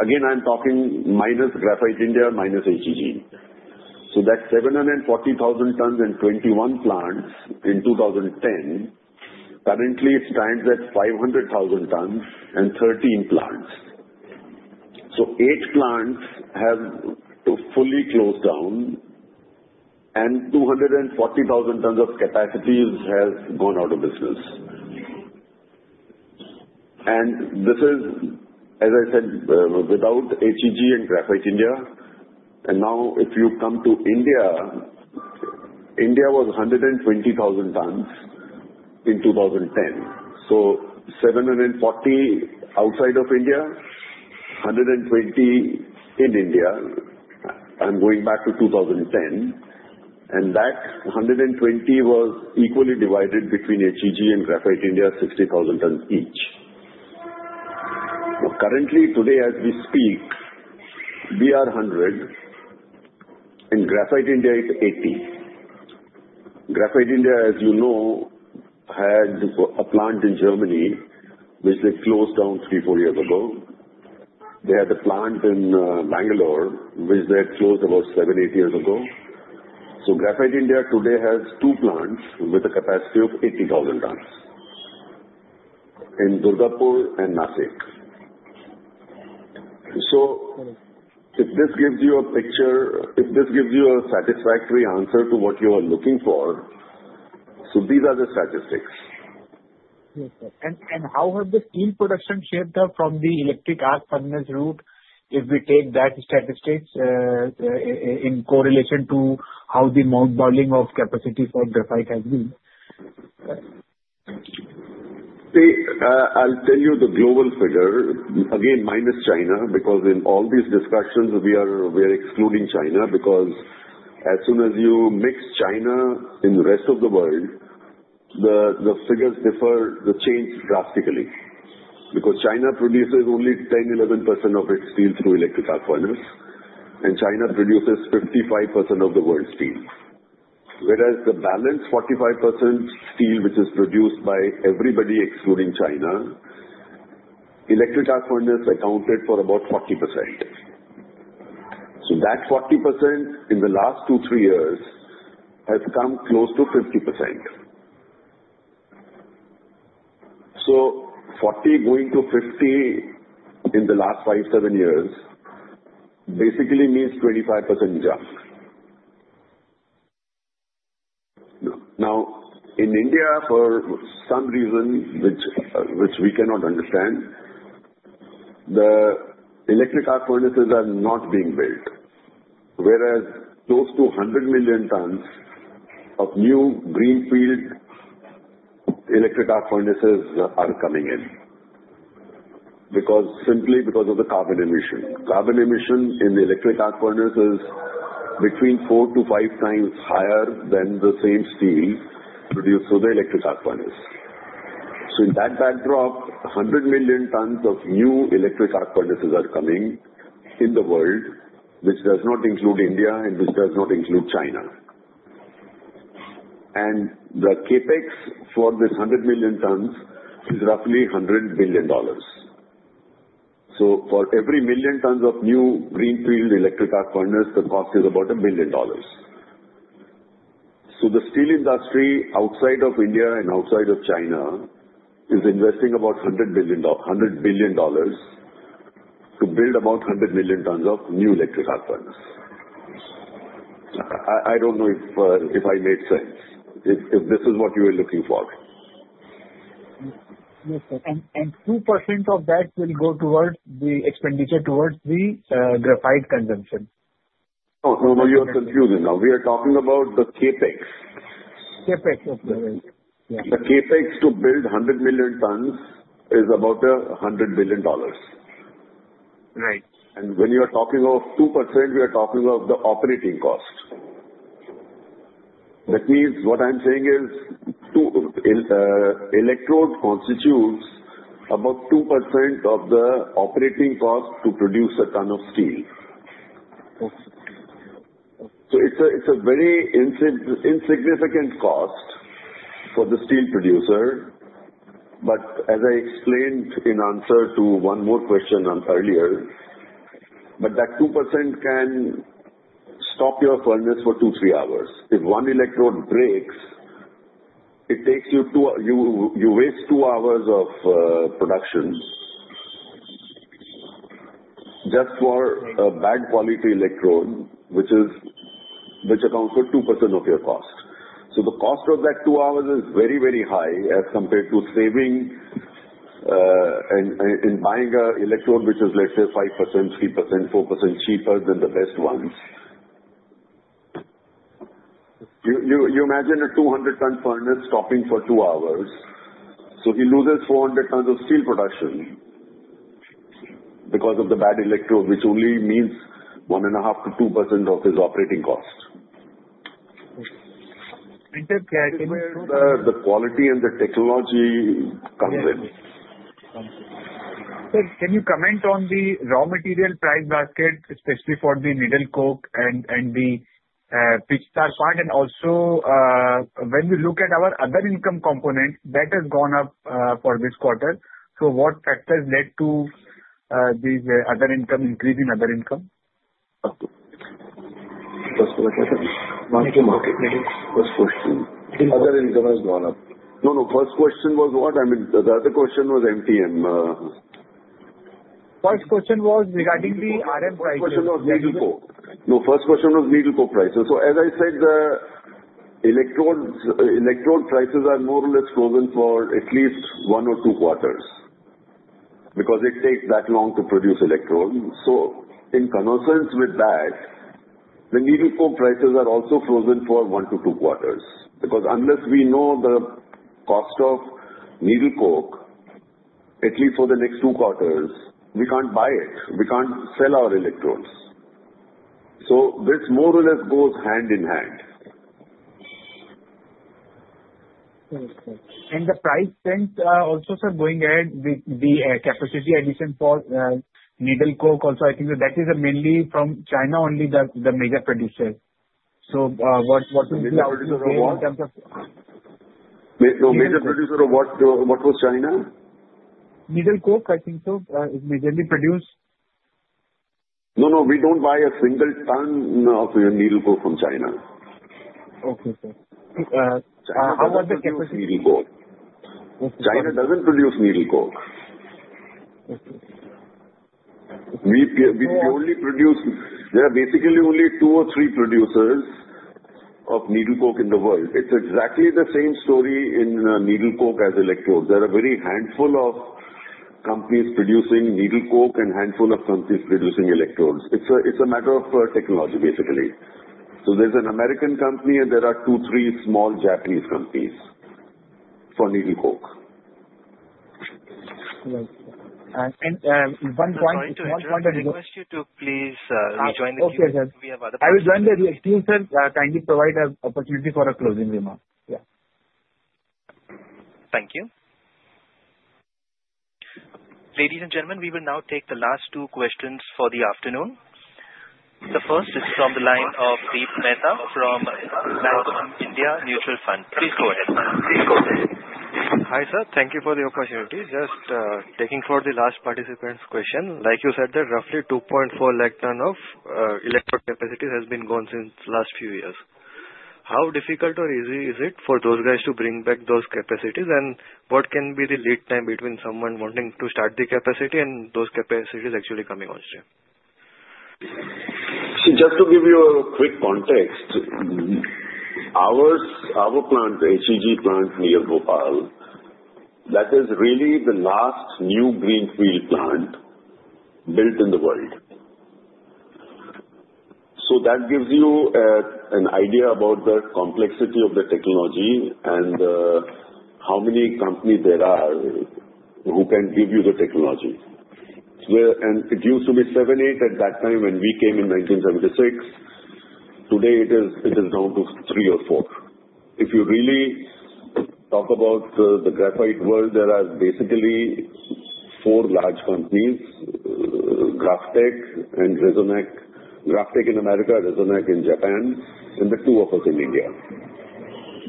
Again, I'm talking minus Graphite India, minus HEG. So that 740,000 tons and 21 plants in 2010, currently, it stands at 500,000 tons and 13 plants. So eight plants have to fully close down, and 240,000 tons of capacity has gone out of business. And this is, as I said, without HEG and Graphite India. And now, if you come to India, India was 120,000 tons in 2010. So 740 outside of India, 120 in India. I'm going back to 2010. And that 120 was equally divided between HEG and Graphite India, 60,000 tons each. Currently, today, as we speak, we are 100, and Graphite India is 80. Graphite India, as you know, had a plant in Germany which they closed down three, four years ago. They had a plant in Bangalore which they had closed about seven, eight years ago. So Graphite India today has 2 plants with a capacity of 80,000 tons in Durgapur and Nashik. So if this gives you a picture, if this gives you a satisfactory answer to what you are looking for, so these are the statistics. How has the steel production shaped up from the electric arc furnaces route if we take that statistics in correlation to how the mounting utilization of capacity for graphite has been? See, I'll tell you the global figure, again, minus China, because in all these discussions, we are excluding China because as soon as you mix China in the rest of the world, the figures differ, the change drastically. Because China produces only 10%-11% of its steel through electric arc furnaces, and China produces 55% of the world's steel. Whereas the balance, 45% steel which is produced by everybody excluding China, electric arc furnaces accounted for about 40%. So that 40% in the last two-three years has come close to 50%. So 40% going to 50% in the last five-seven years basically means 25% jump. Now, in India, for some reason, which we cannot understand, the electric arc furnaces are not being built, whereas close to 100 million tons of new greenfield electric arc furnaces are coming in simply because of the carbon emission. Carbon emissions in the electric arc furnaces is between four to five times higher than the same steel produced through the electric arc furnaces. So in that backdrop, 100 million tons of new electric arc furnaces are coming in the world, which does not include India and which does not include China. And the CapEx for this 100 million tons is roughly $100 billion. So for every million tons of new greenfield electric arc furnaces, the cost is about $1 billion. So the steel industry outside of India and outside of China is investing about $100 billion to build about 100 million tons of new electric arc furnaces. I don't know if I made sense, if this is what you were looking for. Yes, sir. And 2% of that will go towards the expenditure towards the graphite consumption. Oh, no, no. You are confusing now. We are talking about the CapEx. CapEx, okay. The CapEx to build 100 million tons is about $100 billion. And when you are talking of 2%, we are talking of the operating cost. That means what I'm saying is electrode constitutes about 2% of the operating cost to produce a ton of steel. So it's a very insignificant cost for the steel producer. But as I explained in answer to one more question earlier, that 2% can stop your furnace for two, three hours. If one electrode breaks, it takes you two hours of production just for a bad quality electrode, which accounts for 2% of your cost. So the cost of that two hours is very, very high as compared to saving and buying an electrode which is, let's say, 5%, 3%, 4% cheaper than the best ones. You imagine a 200-ton furnace stopping for two hours. He loses 400 tons of steel production because of the bad electrode, which only means 1.5%-2% of his operating cost. And sir. That's where the quality and the technology comes in. Sir, can you comment on the raw material price basket, especially for the needle coke and the pitch tar part? And also, when we look at our other income component, that has gone up for this quarter. So what factors led to these other income increase in other income? First question. Other income has gone up. No, no. First question was what? I mean, the other question was MTM. First question was regarding the RM prices. First question was needle coke. No, first question was needle coke prices. So as I said, the electrode prices are more or less frozen for at least one or two quarters because it takes that long to produce electrode. So in conjunction with that, the needle coke prices are also frozen for one to two quarters. Because unless we know the cost of needle coke, at least for the next two quarters, we can't buy it. We can't sell our electrodes. So this more or less goes hand in hand. And the price trend also, sir, going ahead with the capacity addition for needle coke, also, I think that is mainly from China only, the major producer. So what would be the outlook in terms of? No, major producer of what? What was China? Needle coke, I think so, is majorly produced. No, no. We don't buy a single ton of needle coke from China. Okay, sir. How was the capacity? China doesn't produce needle coke. We only produce there are basically only two or three producers of needle coke in the world. It's exactly the same story in needle coke as electrodes. There are a very handful of companies producing needle coke and a handful of companies producing electrodes. It's a matter of technology, basically. There's an American company, and there are two, three small Japanese companies for needle coke. One point. I just wanted to ask you to please rejoin the Q&A. We have other questions. I will join the Q&A. Kindly provide an opportunity for a closing remark. Yeah. Thank you. Ladies and gentlemen, we will now take the last two questions for the afternoon. The first is from the line of Deep Mehta from Bank of India Mutual Fund. Please go ahead. Please go ahead. Hi, sir. Thank you for the opportunity. Just taking for the last participant's question. Like you said, roughly 2.4 lakh ton of electrode capacities has been gone since last few years. How difficult or easy is it for those guys to bring back those capacities? And what can be the lead time between someone wanting to start the capacity and those capacities actually coming on stream? See, just to give you a quick context, our HEG plant near Bhopal, that is really the last new greenfield plant built in the world. So that gives you an idea about the complexity of the technology and how many companies there are who can give you the technology. And it used to be seven, eight at that time when we came in 1976. Today, it is down to three or four. If you really talk about the graphite world, there are basically four large companies: GrafTech and Resonac. GrafTech in America, Resonac in Japan, and the two of us in India.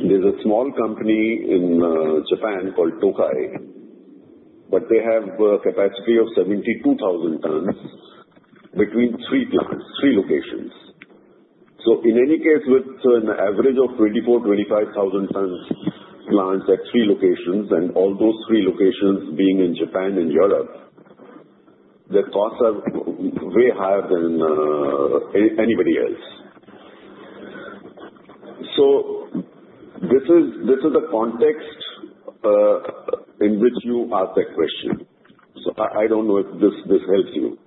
There's a small company in Japan called Tokai, but they have a capacity of 72,000 tons between three locations. So in any case, with an average of 24,000-25,000 tons plants at three locations, and all those three locations being in Japan and Europe, the costs are way higher than anybody else. So this is the context in which you ask that question. So I don't know if this helps you.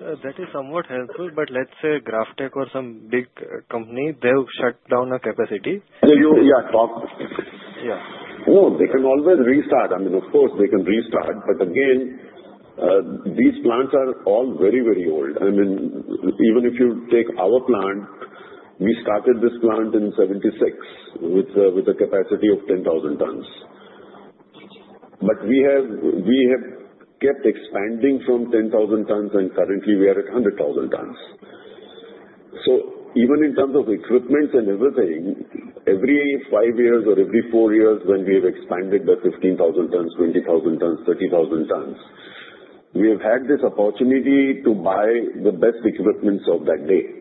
That is somewhat helpful, but let's say GrafTech or some big company, they'll shut down a capacity. Yeah, talk. Yeah. No, they can always restart. I mean, of course, they can restart. But again, these plants are all very, very old. I mean, even if you take our plant, we started this plant in 1976 with a capacity of 10,000 tons. But we have kept expanding from 10,000 tons, and currently, we are at 100,000 tons. So even in terms of equipment and everything, every five years or every four years, when we have expanded by 15,000 tons, 20,000 tons, 30,000 tons, we have had this opportunity to buy the best equipment of that day.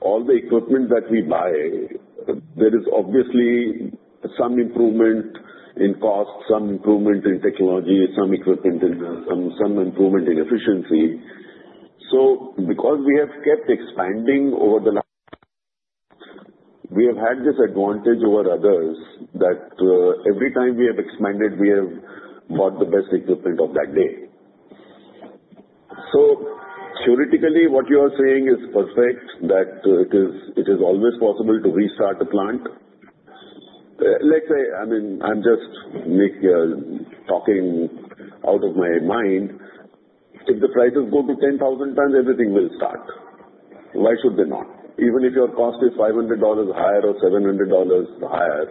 All the equipment that we buy, there is obviously some improvement in cost, some improvement in technology, some improvement in efficiency. So because we have kept expanding over the last, we have had this advantage over others that every time we have expanded, we have bought the best equipment of that day. So theoretically, what you are saying is perfect, that it is always possible to restart a plant. Let's say, I mean, I'm just talking out of my mind. If the prices go to $10,000 per ton, everything will start. Why should they not? Even if your cost is $500 higher or $700 higher,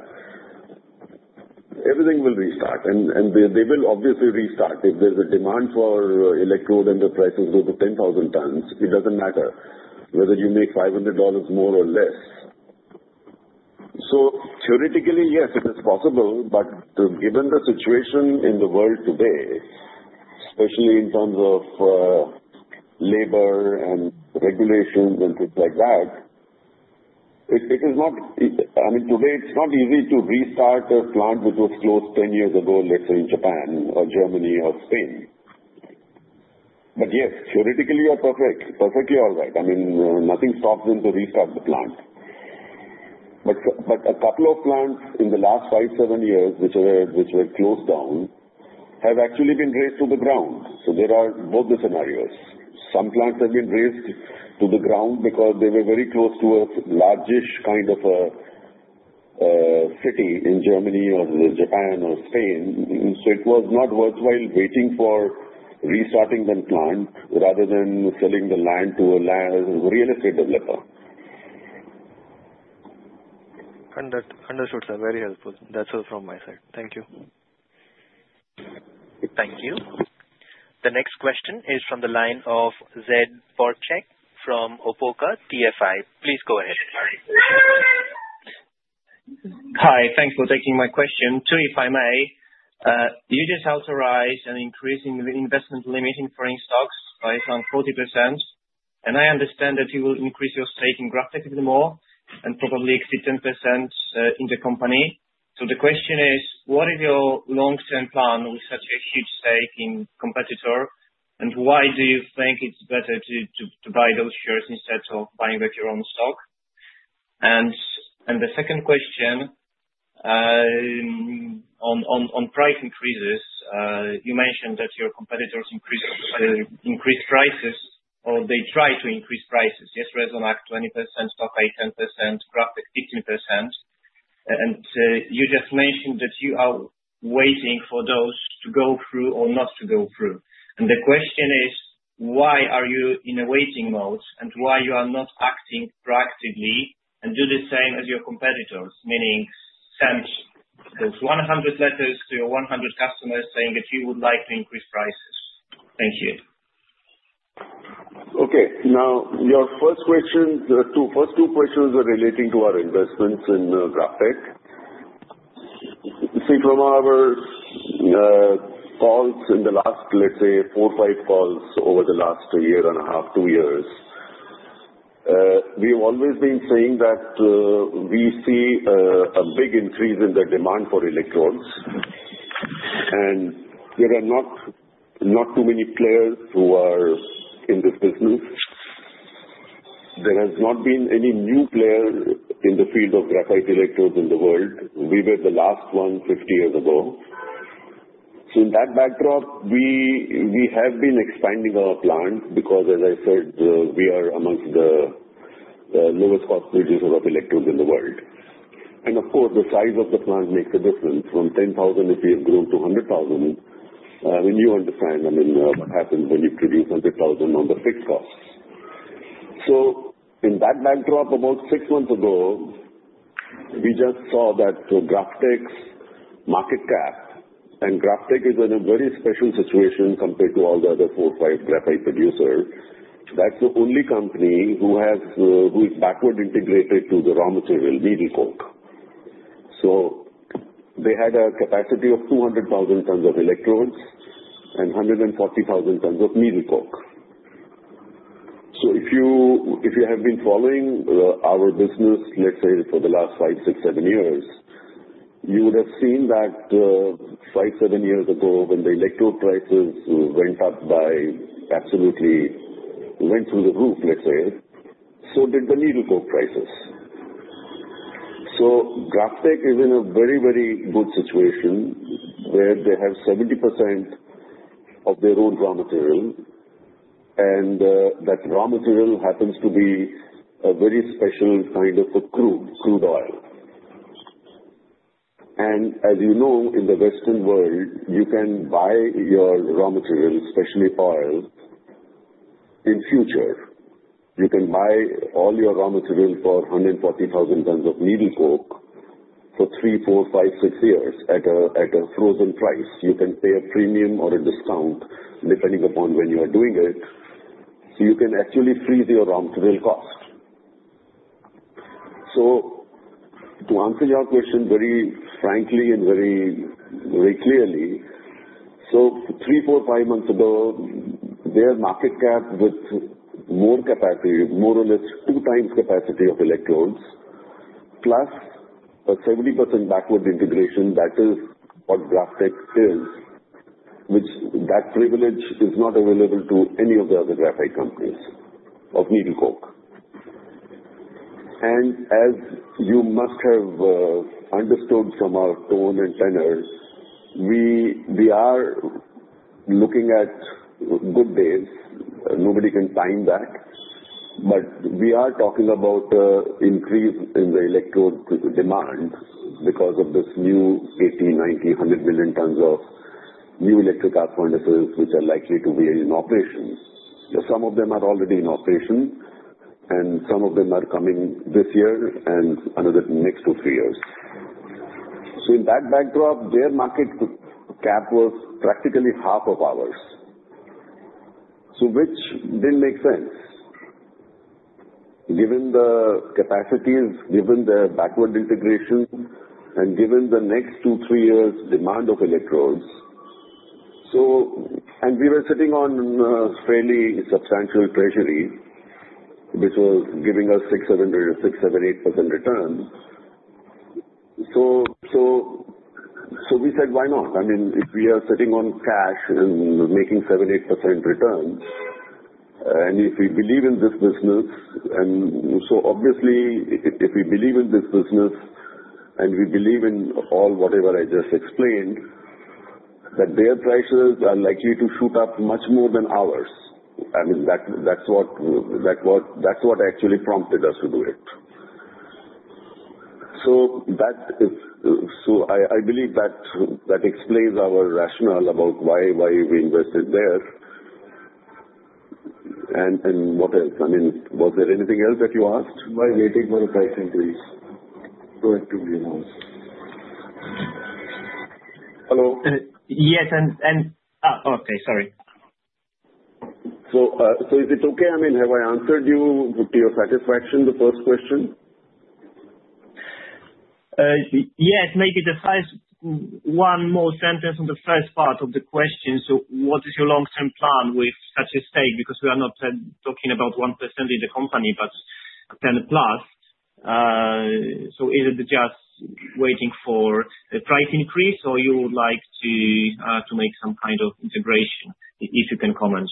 everything will restart. And they will obviously restart. If there's a demand for electrodes and the prices go to $10,000 per ton, it doesn't matter whether you make $500 more or less. So theoretically, yes, it is possible. But given the situation in the world today, especially in terms of labor and regulations and things like that, it is not. I mean, today, it's not easy to restart a plant which was closed 10 years ago, let's say, in Japan or Germany or Spain. But yes, theoretically, you are perfectly all right. I mean, nothing stops them to restart the plant. But a couple of plants in the last five, seven years, which were closed down, have actually been razed to the ground. So there are both the scenarios. Some plants have been razed to the ground because they were very close to a largish kind of a city in Germany or Japan or Spain. So it was not worthwhile waiting for restarting the plant rather than selling the land to a real estate developer. Understood, sir. Very helpful. That's all from my side. Thank you. Thank you. The next question is from the line of Ziemowit Borucki from Opoka TFI. Please go ahead. Hi. Thanks for taking my question. Ravi, if I may, you just authorized an increase in the investment limit in foreign stocks. It's around 40%. And I understand that you will increase your stake in GrafTech even more and probably exceed 10% in the company. So the question is, what is your long-term plan with such a huge stake in competitor? And why do you think it's better to buy those shares instead of buying back your own stock? And the second question, on price increases, you mentioned that your competitors increased prices or they try to increase prices. Yes, Resonac 20%, Tokai 10%, GrafTech 15%. And you just mentioned that you are waiting for those to go through or not to go through. And the question is, why are you in a waiting mode and why you are not acting proactively and do the same as your competitors? Meaning, send those 100 letters to your 100 customers saying that you would like to increase prices. Thank you. Okay. Now, your first question, the first two questions are relating to our investments in GrafTech. See, from our calls in the last, let's say, four, five calls over the last year and a half, two years, we have always been saying that we see a big increase in the demand for electrodes. And there are not too many players who are in this business. There has not been any new player in the field of graphite electrodes in the world. We were the last one 50 years ago. So in that backdrop, we have been expanding our plant because, as I said, we are amongst the lowest cost producers of electrodes in the world. And of course, the size of the plant makes a difference. From 10,000, if you have grown to 100,000, when you understand, I mean, what happens when you produce 100,000 on the fixed costs. So in that backdrop, about six months ago, we just saw that GrafTech's market cap, and GrafTech is in a very special situation compared to all the other four, five graphite producers. That's the only company who is backward integrated to the raw material, needle coke. So they had a capacity of 200,000 tons of electrodes and 140,000 tons of needle coke. So if you have been following our business, let's say, for the last five, six, seven years, you would have seen that five, seven years ago when the electrode prices went up by absolutely went through the roof, let's say, so did the needle coke prices. So GrafTech is in a very, very good situation where they have 70% of their own raw material. And that raw material happens to be a very special kind of crude oil. As you know, in the Western world, you can buy your raw material, especially oil, in future. You can buy all your raw material for 140,000 tons of needle coke for three, four, five, six years at a frozen price. You can pay a premium or a discount depending upon when you are doing it. You can actually freeze your raw material cost. To answer your question very frankly and very clearly, three, four, five months ago, their market cap with more capacity, more or less two times capacity of electrodes, plus a 70% backward integration, that is what GrafTech is, which that privilege is not available to any of the other graphite companies of needle coke. As you must have understood from our tone and tenor, we are looking at good days. Nobody can time that. But we are talking about an increase in the electrode demand because of this new 80, 90, 100 million tons of new electric arc furnaces which are likely to be in operation. Some of them are already in operation, and some of them are coming this year and another next two or three years. So in that backdrop, their market cap was practically half of ours. So which didn't make sense given the capacities, given the backward integration, and given the next two-three years' demand of electrodes. And we were sitting on a fairly substantial treasury, which was giving us 6%-8% return. So we said, "Why not?" I mean, if we are sitting on cash and making 7%-8% return, and if we believe in this business, and so obviously, if we believe in this business and we believe in all whatever I just explained, that their prices are likely to shoot up much more than ours. I mean, that's what actually prompted us to do it. So I believe that explains our rationale about why we invested there and what else. I mean, was there anything else that you asked? Why waiting for a price increase? Go ahead. Hello. Yes. And okay. Sorry. So is it okay? I mean, have I answered you to your satisfaction, the first question? Yes. Maybe one more sentence on the first part of the question. So what is your long-term plan with such a stake? Because we are not talking about 1% in the company, but 10+. So is it just waiting for the price increase, or you would like to make some kind of integration? If you can comment.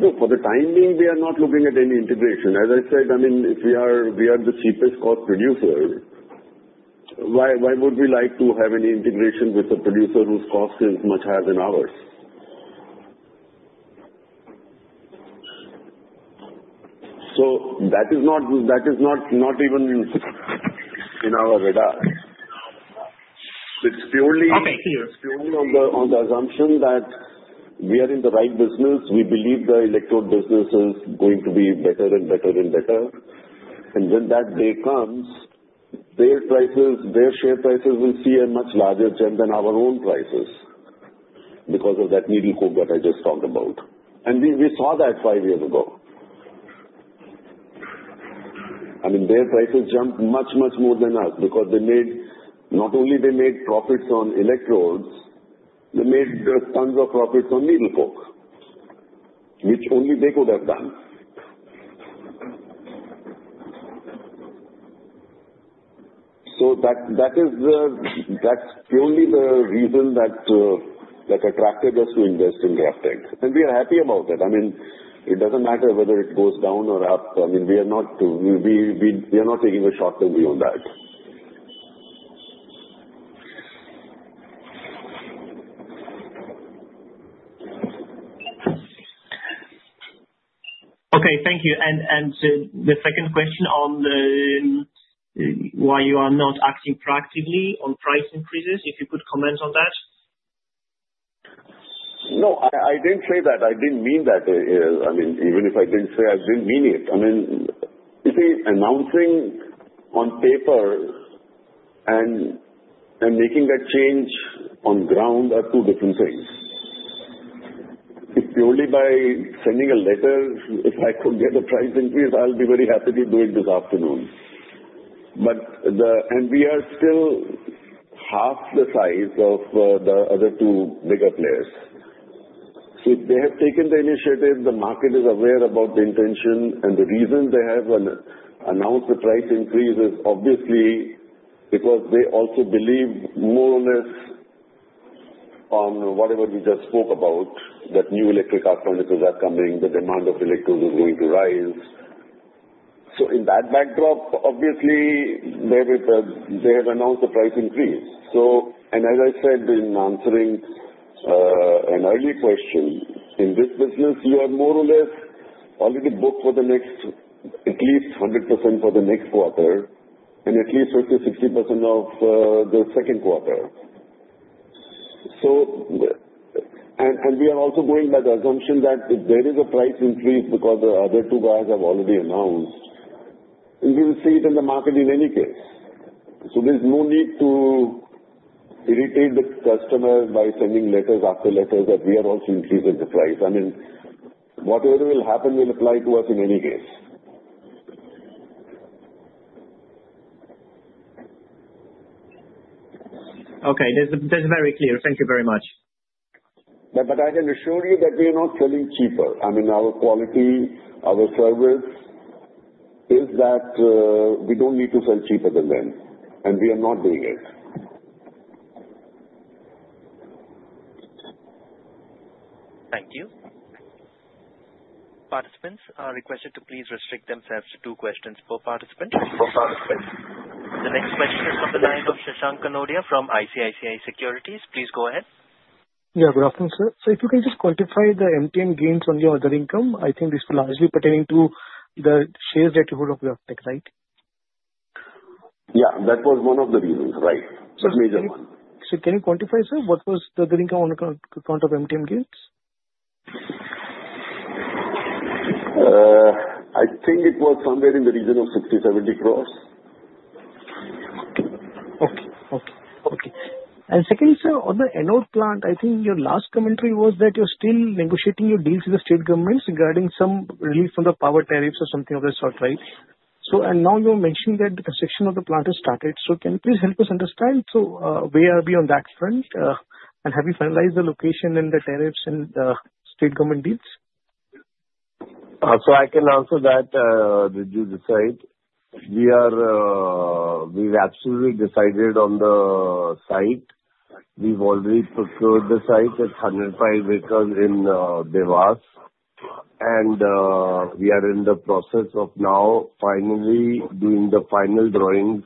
No, for the time being, we are not looking at any integration. As I said, I mean, if we are the cheapest cost producer, why would we like to have any integration with a producer whose cost is much higher than ours? So that is not even in our radar. It's purely on the assumption that we are in the right business. We believe the electrode business is going to be better and better and better. And when that day comes, their share prices will see a much larger jump than our own prices because of that needle coke that I just talked about. And we saw that five years ago. I mean, their prices jumped much, much more than us because not only did they make profits on electrodes, they made tons of profits on needle coke, which only they could have done. That's purely the reason that attracted us to invest in GrafTech. We are happy about it. I mean, it doesn't matter whether it goes down or up. I mean, we are not taking a short term view on that. Okay. Thank you. And the second question on why you are not acting proactively on price increases, if you could comment on that. No, I didn't say that. I didn't mean that. I mean, even if I didn't say, I didn't mean it. I mean, you see, announcing on paper and making that change on ground are two different things. If purely by sending a letter, if I could get a price increase, I'll be very happy to do it this afternoon, and we are still half the size of the other two bigger players, so if they have taken the initiative, the market is aware about the intention and the reason they have announced the price increase is obviously because they also believe more or less on whatever we just spoke about, that new electric arc furnaces are coming, the demand of electrodes is going to rise, so in that backdrop, obviously, they have announced the price increase. And as I said in answering an earlier question, in this business, you are more or less already booked for at least 100% for the next quarter and at least 50%-60% of the second quarter. And we are also going by the assumption that if there is a price increase because the other two guys have already announced, we will see it in the market in any case. So there's no need to irritate the customer by sending letters after letters that we are also increasing the price. I mean, whatever will happen will apply to us in any case. Okay. That's very clear. Thank you very much. But I can assure you that we are not selling cheaper. I mean, our quality, our service is that we don't need to sell cheaper than them. And we are not doing it. Thank you. Participants are requested to please restrict themselves to two questions per participant. The next question is from the line of Shashank Kanodia from ICICI Securities. Please go ahead. Yeah, good afternoon, sir. So if you can just quantify the MTM gains on your other income, I think this will largely pertain to the shares that you hold of GrafTech, right? Yeah. That was one of the reasons, right? The major one. So can you quantify, sir, what was the other income on account of MTM gains? I think it was somewhere in the region of 60 crores-70 crores. Okay. And second, sir, on the anode plant, I think your last commentary was that you're still negotiating your deals with the state governments regarding some relief from the power tariffs or something of that sort, right? And now you mentioned that the construction of the plant has started. So can you please help us understand? So where are we on that front? And have you finalized the location and the tariffs and the state government deals? So I can answer that. Did you decide? We've absolutely decided on the site. We've already procured the site at 105 acres in Dewas. And we are in the process of now finally doing the final drawings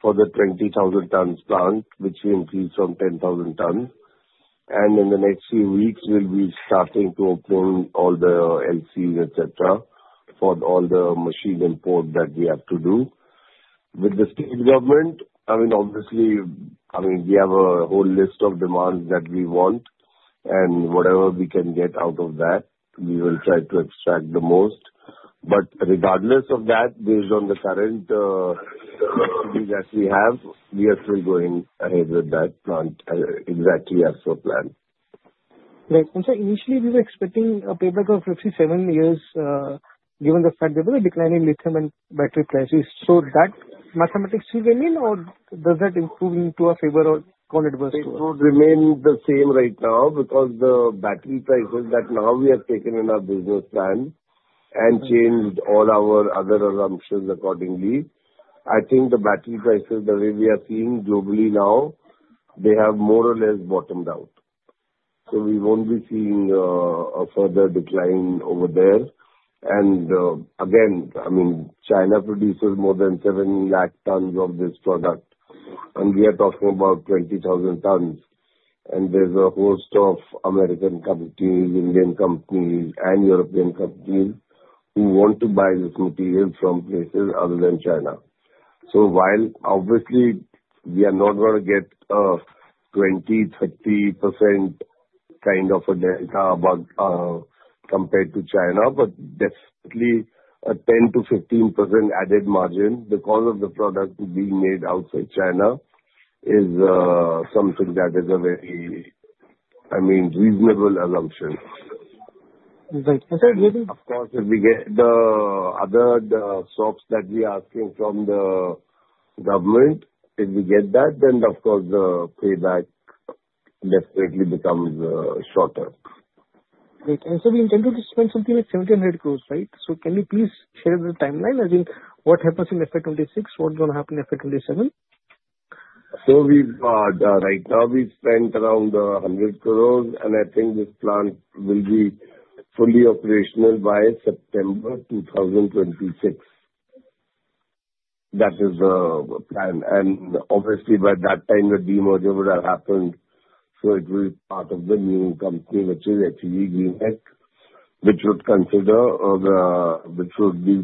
for the 20,000 tons plant, which we increased from 10,000 tons. And in the next few weeks, we'll be starting to open all the LCs, etc., for all the machine import that we have to do. With the state government, I mean, obviously, I mean, we have a whole list of demands that we want. And whatever we can get out of that, we will try to extract the most. But regardless of that, based on the current activity that we have, we are still going ahead with that plant exactly as per plan. Right. And sir, initially, we were expecting a payback of 5-7 years given the fact that there was a decline in lithium and battery prices. So that mathematics still remaining, or does that improve into our favor or go on adverse? It would remain the same right now because the battery prices that now we have taken in our business plan and changed all our other assumptions accordingly. I think the battery prices, the way we are seeing globally now, they have more or less bottomed out. So we won't be seeing a further decline over there, and again, I mean, China produces more than 7 lakh tons of this product. And we are talking about 20,000 tons. And there's a host of American companies, Indian companies, and European companies who want to buy this material from places other than China. So while obviously, we are not going to get a 20%-30% kind of a delta compared to China, but definitely a 10%-15% added margin because of the product being made outside China is something that is a very, I mean, reasonable assumption. Right. And sir. Of course, if we get the other stocks that we are asking from the government, if we get that, then of course, the payback definitely becomes shorter. Great. And sir, we intend to spend something like 700 crores, right? So can you please share the timeline? I mean, what happens in FY 2026? What's going to happen in FY 2027? Right now, we spent around 100 crores. I think this plant will be fully operational by September 2026. That is the plan. Obviously, by that time, the demerger would have happened. It will be part of the new company, which is HEG Tech, which would be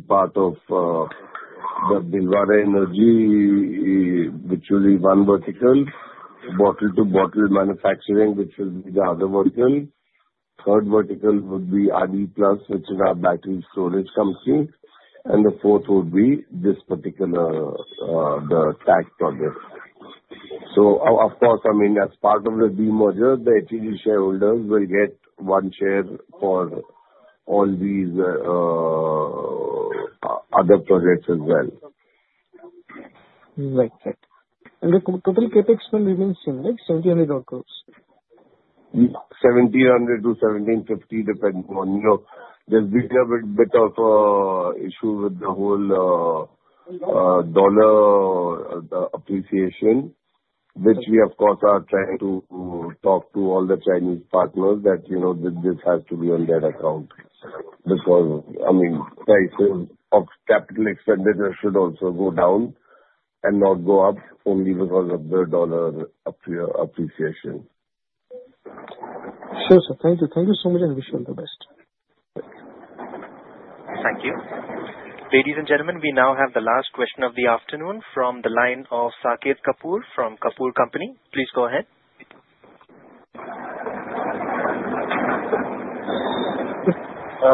part of the Bhilwara Energy, which will be one vertical, bottle-to-bottle manufacturing, which will be the other vertical. Third vertical would be Replus, which is our battery storage company. The fourth would be this particular TACC project. Of course, I mean, as part of the demerger, the HEG shareholders will get one share for all these other projects as well. Right, and the total CapEx will remain the same, right? INR 700 crores? 1,700 to 1,750, depending on the bigger bit of issue with the whole dollar appreciation, which we, of course, are trying to talk to all the Chinese partners that this has to be on their account because, I mean, prices of capital expenditure should also go down and not go up only because of the dollar appreciation. Sure, sir. Thank you. Thank you so much. I wish you all the best. Thank you. Ladies and gentlemen, we now have the last question of the afternoon from the line of Saket Kapoor from Kapoor & Company. Please go ahead.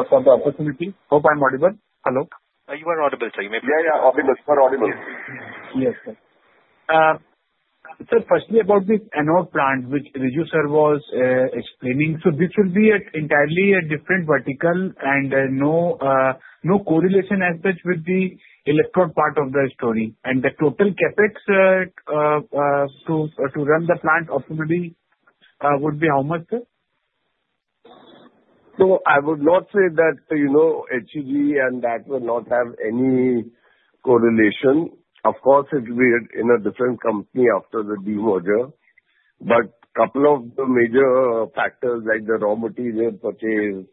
For the opportunity. Hope I'm audible? Hello? You are audible, sir. You may continue. Yeah, yeah. Audible. You are audible. Yes, sir, firstly, about this anode plant, which you, sir, was explaining, so this will be entirely a different vertical and no correlation as such with the electrode part of the story. And the total CapEx to run the plant ultimately would be how much, sir? So I would not say that HEG and that will not have any correlation. Of course, it will be in a different company after the demerger. But a couple of the major factors like the raw material purchase,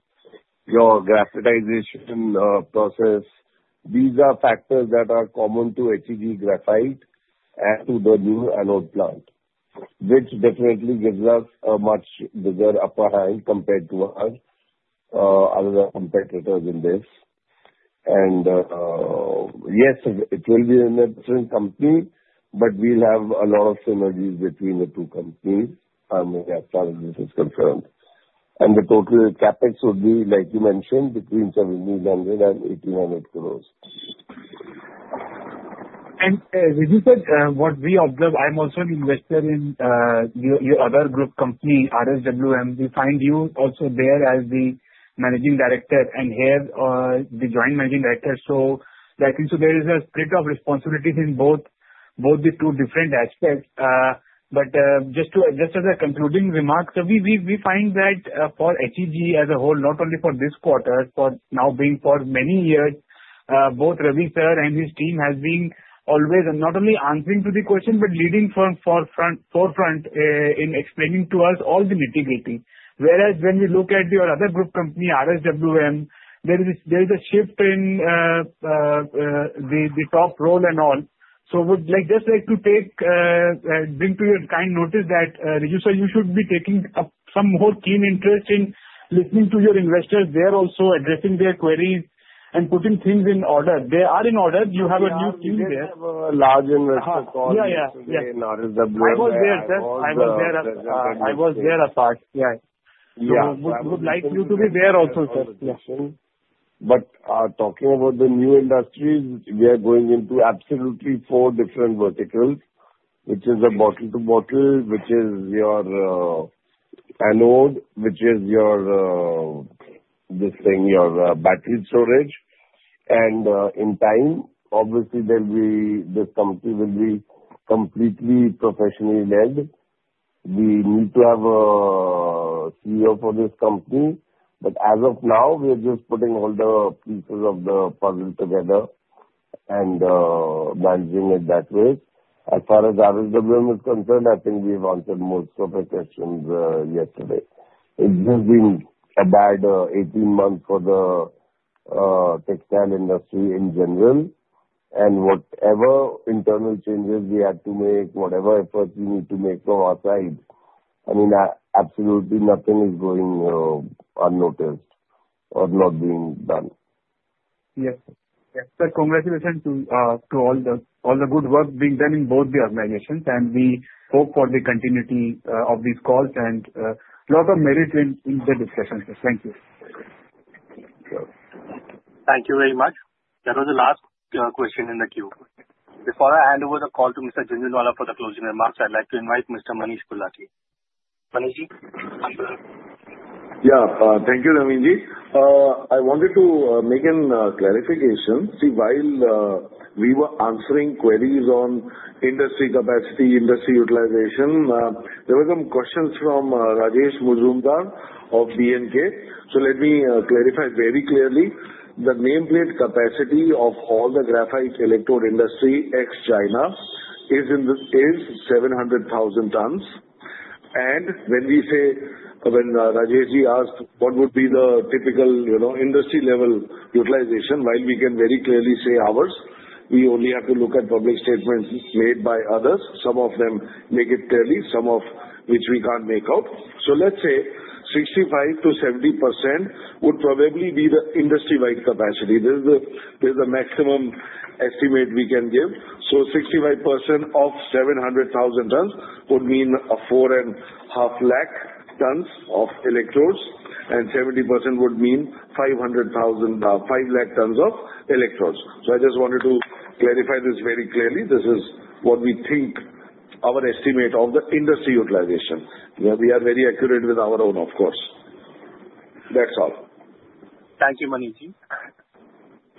your graphitization process, these are factors that are common to HEG Graphite and to the new anode plant, which definitely gives us a much bigger upper hand compared to our other competitors in this. And yes, it will be in a different company, but we'll have a lot of synergies between the two companies. I mean, after this is confirmed. And the total CapEx would be, like you mentioned, between 780 crores and 1,800 crores. And what we observe, I'm also an investor in your other group company, RSWM. We find you also there as the managing director and here, the joint managing director. So I think there is a split of responsibilities in both the two different aspects. But just as a concluding remark, we find that for HEG as a whole, not only for this quarter, but now being for many years, both Ravi sir and his team have been always not only answering to the question, but leading forefront in explaining to us all the nitty-gritty. Whereas when we look at your other group company, RSWM, there is a shift in the top role and all. So just like to bring to your kind notice that, you should be taking some more keen interest in listening to your investors there also, addressing their queries and putting things in order. They are in order. You have a new team there. I was there. I was there apart. Yeah, so we would like you to be there also, sir. But talking about the new industries, we are going into absolutely four different verticals, which is the bottle-to-bottle, which is your anode, which is this thing, your battery storage. And in time, obviously, this company will be completely professionally led. We need to have a CEO for this company. But as of now, we are just putting all the pieces of the puzzle together and managing it that way. As far as RSWM is concerned, I think we've answered most of the questions yesterday. It's just been a bad 18 months for the textile industry in general. And whatever internal changes we had to make, whatever efforts we need to make from our side, I mean, absolutely nothing is going unnoticed or not being done. Yes. Yes. So congratulations to all the good work being done in both the organizations, and we hope for the continuity of these calls and a lot of merit in the discussions. Thank you. Thank you very much. That was the last question in the queue. Before I hand over the call to Mr. Jhunjhunwala for the closing remarks, I'd like to invite Mr. Manish Gulati. Manishji? Yeah. Thank you, Navinji. I wanted to make a clarification. See, while we were answering queries on industry capacity, industry utilization, there were some questions from Rajesh Majumdar of B&K. So let me clarify very clearly. The nameplate capacity of all the graphite electrode industry ex-China is 700,000 tons. And when Rajeshji asked what would be the typical industry-level utilization, while we can very clearly say ours, we only have to look at public statements made by others. Some of them make it clearly. Some of which we can't make out. So let's say 65%-70% would probably be the industry-wide capacity utilization. That's the maximum estimate we can give. So 65% of 700,000 tons would mean 450,000 tons of electrodes. And 70% would mean 500,000 tons of electrodes. So I just wanted to clarify this very clearly. This is what we think, our estimate of the industry utilization. We are very accurate with our own, of course. That's all. Thank you, Manishji.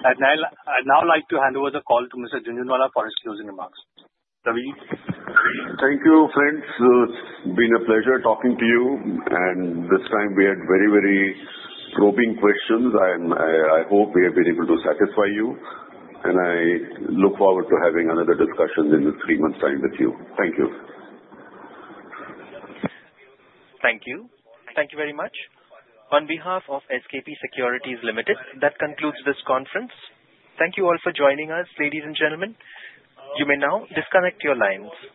I'd now like to hand over the call to Mr. Jhunjhunwala for his closing remarks. Raviji. Thank you, friends. It's been a pleasure talking to you. And this time, we had very, very probing questions. I hope we have been able to satisfy you. And I look forward to having another discussion in the three months' time with you. Thank you. Thank you. Thank you very much. On behalf of SKP Securities Limited, that concludes this conference. Thank you all for joining us, ladies and gentlemen. You may now disconnect your lines.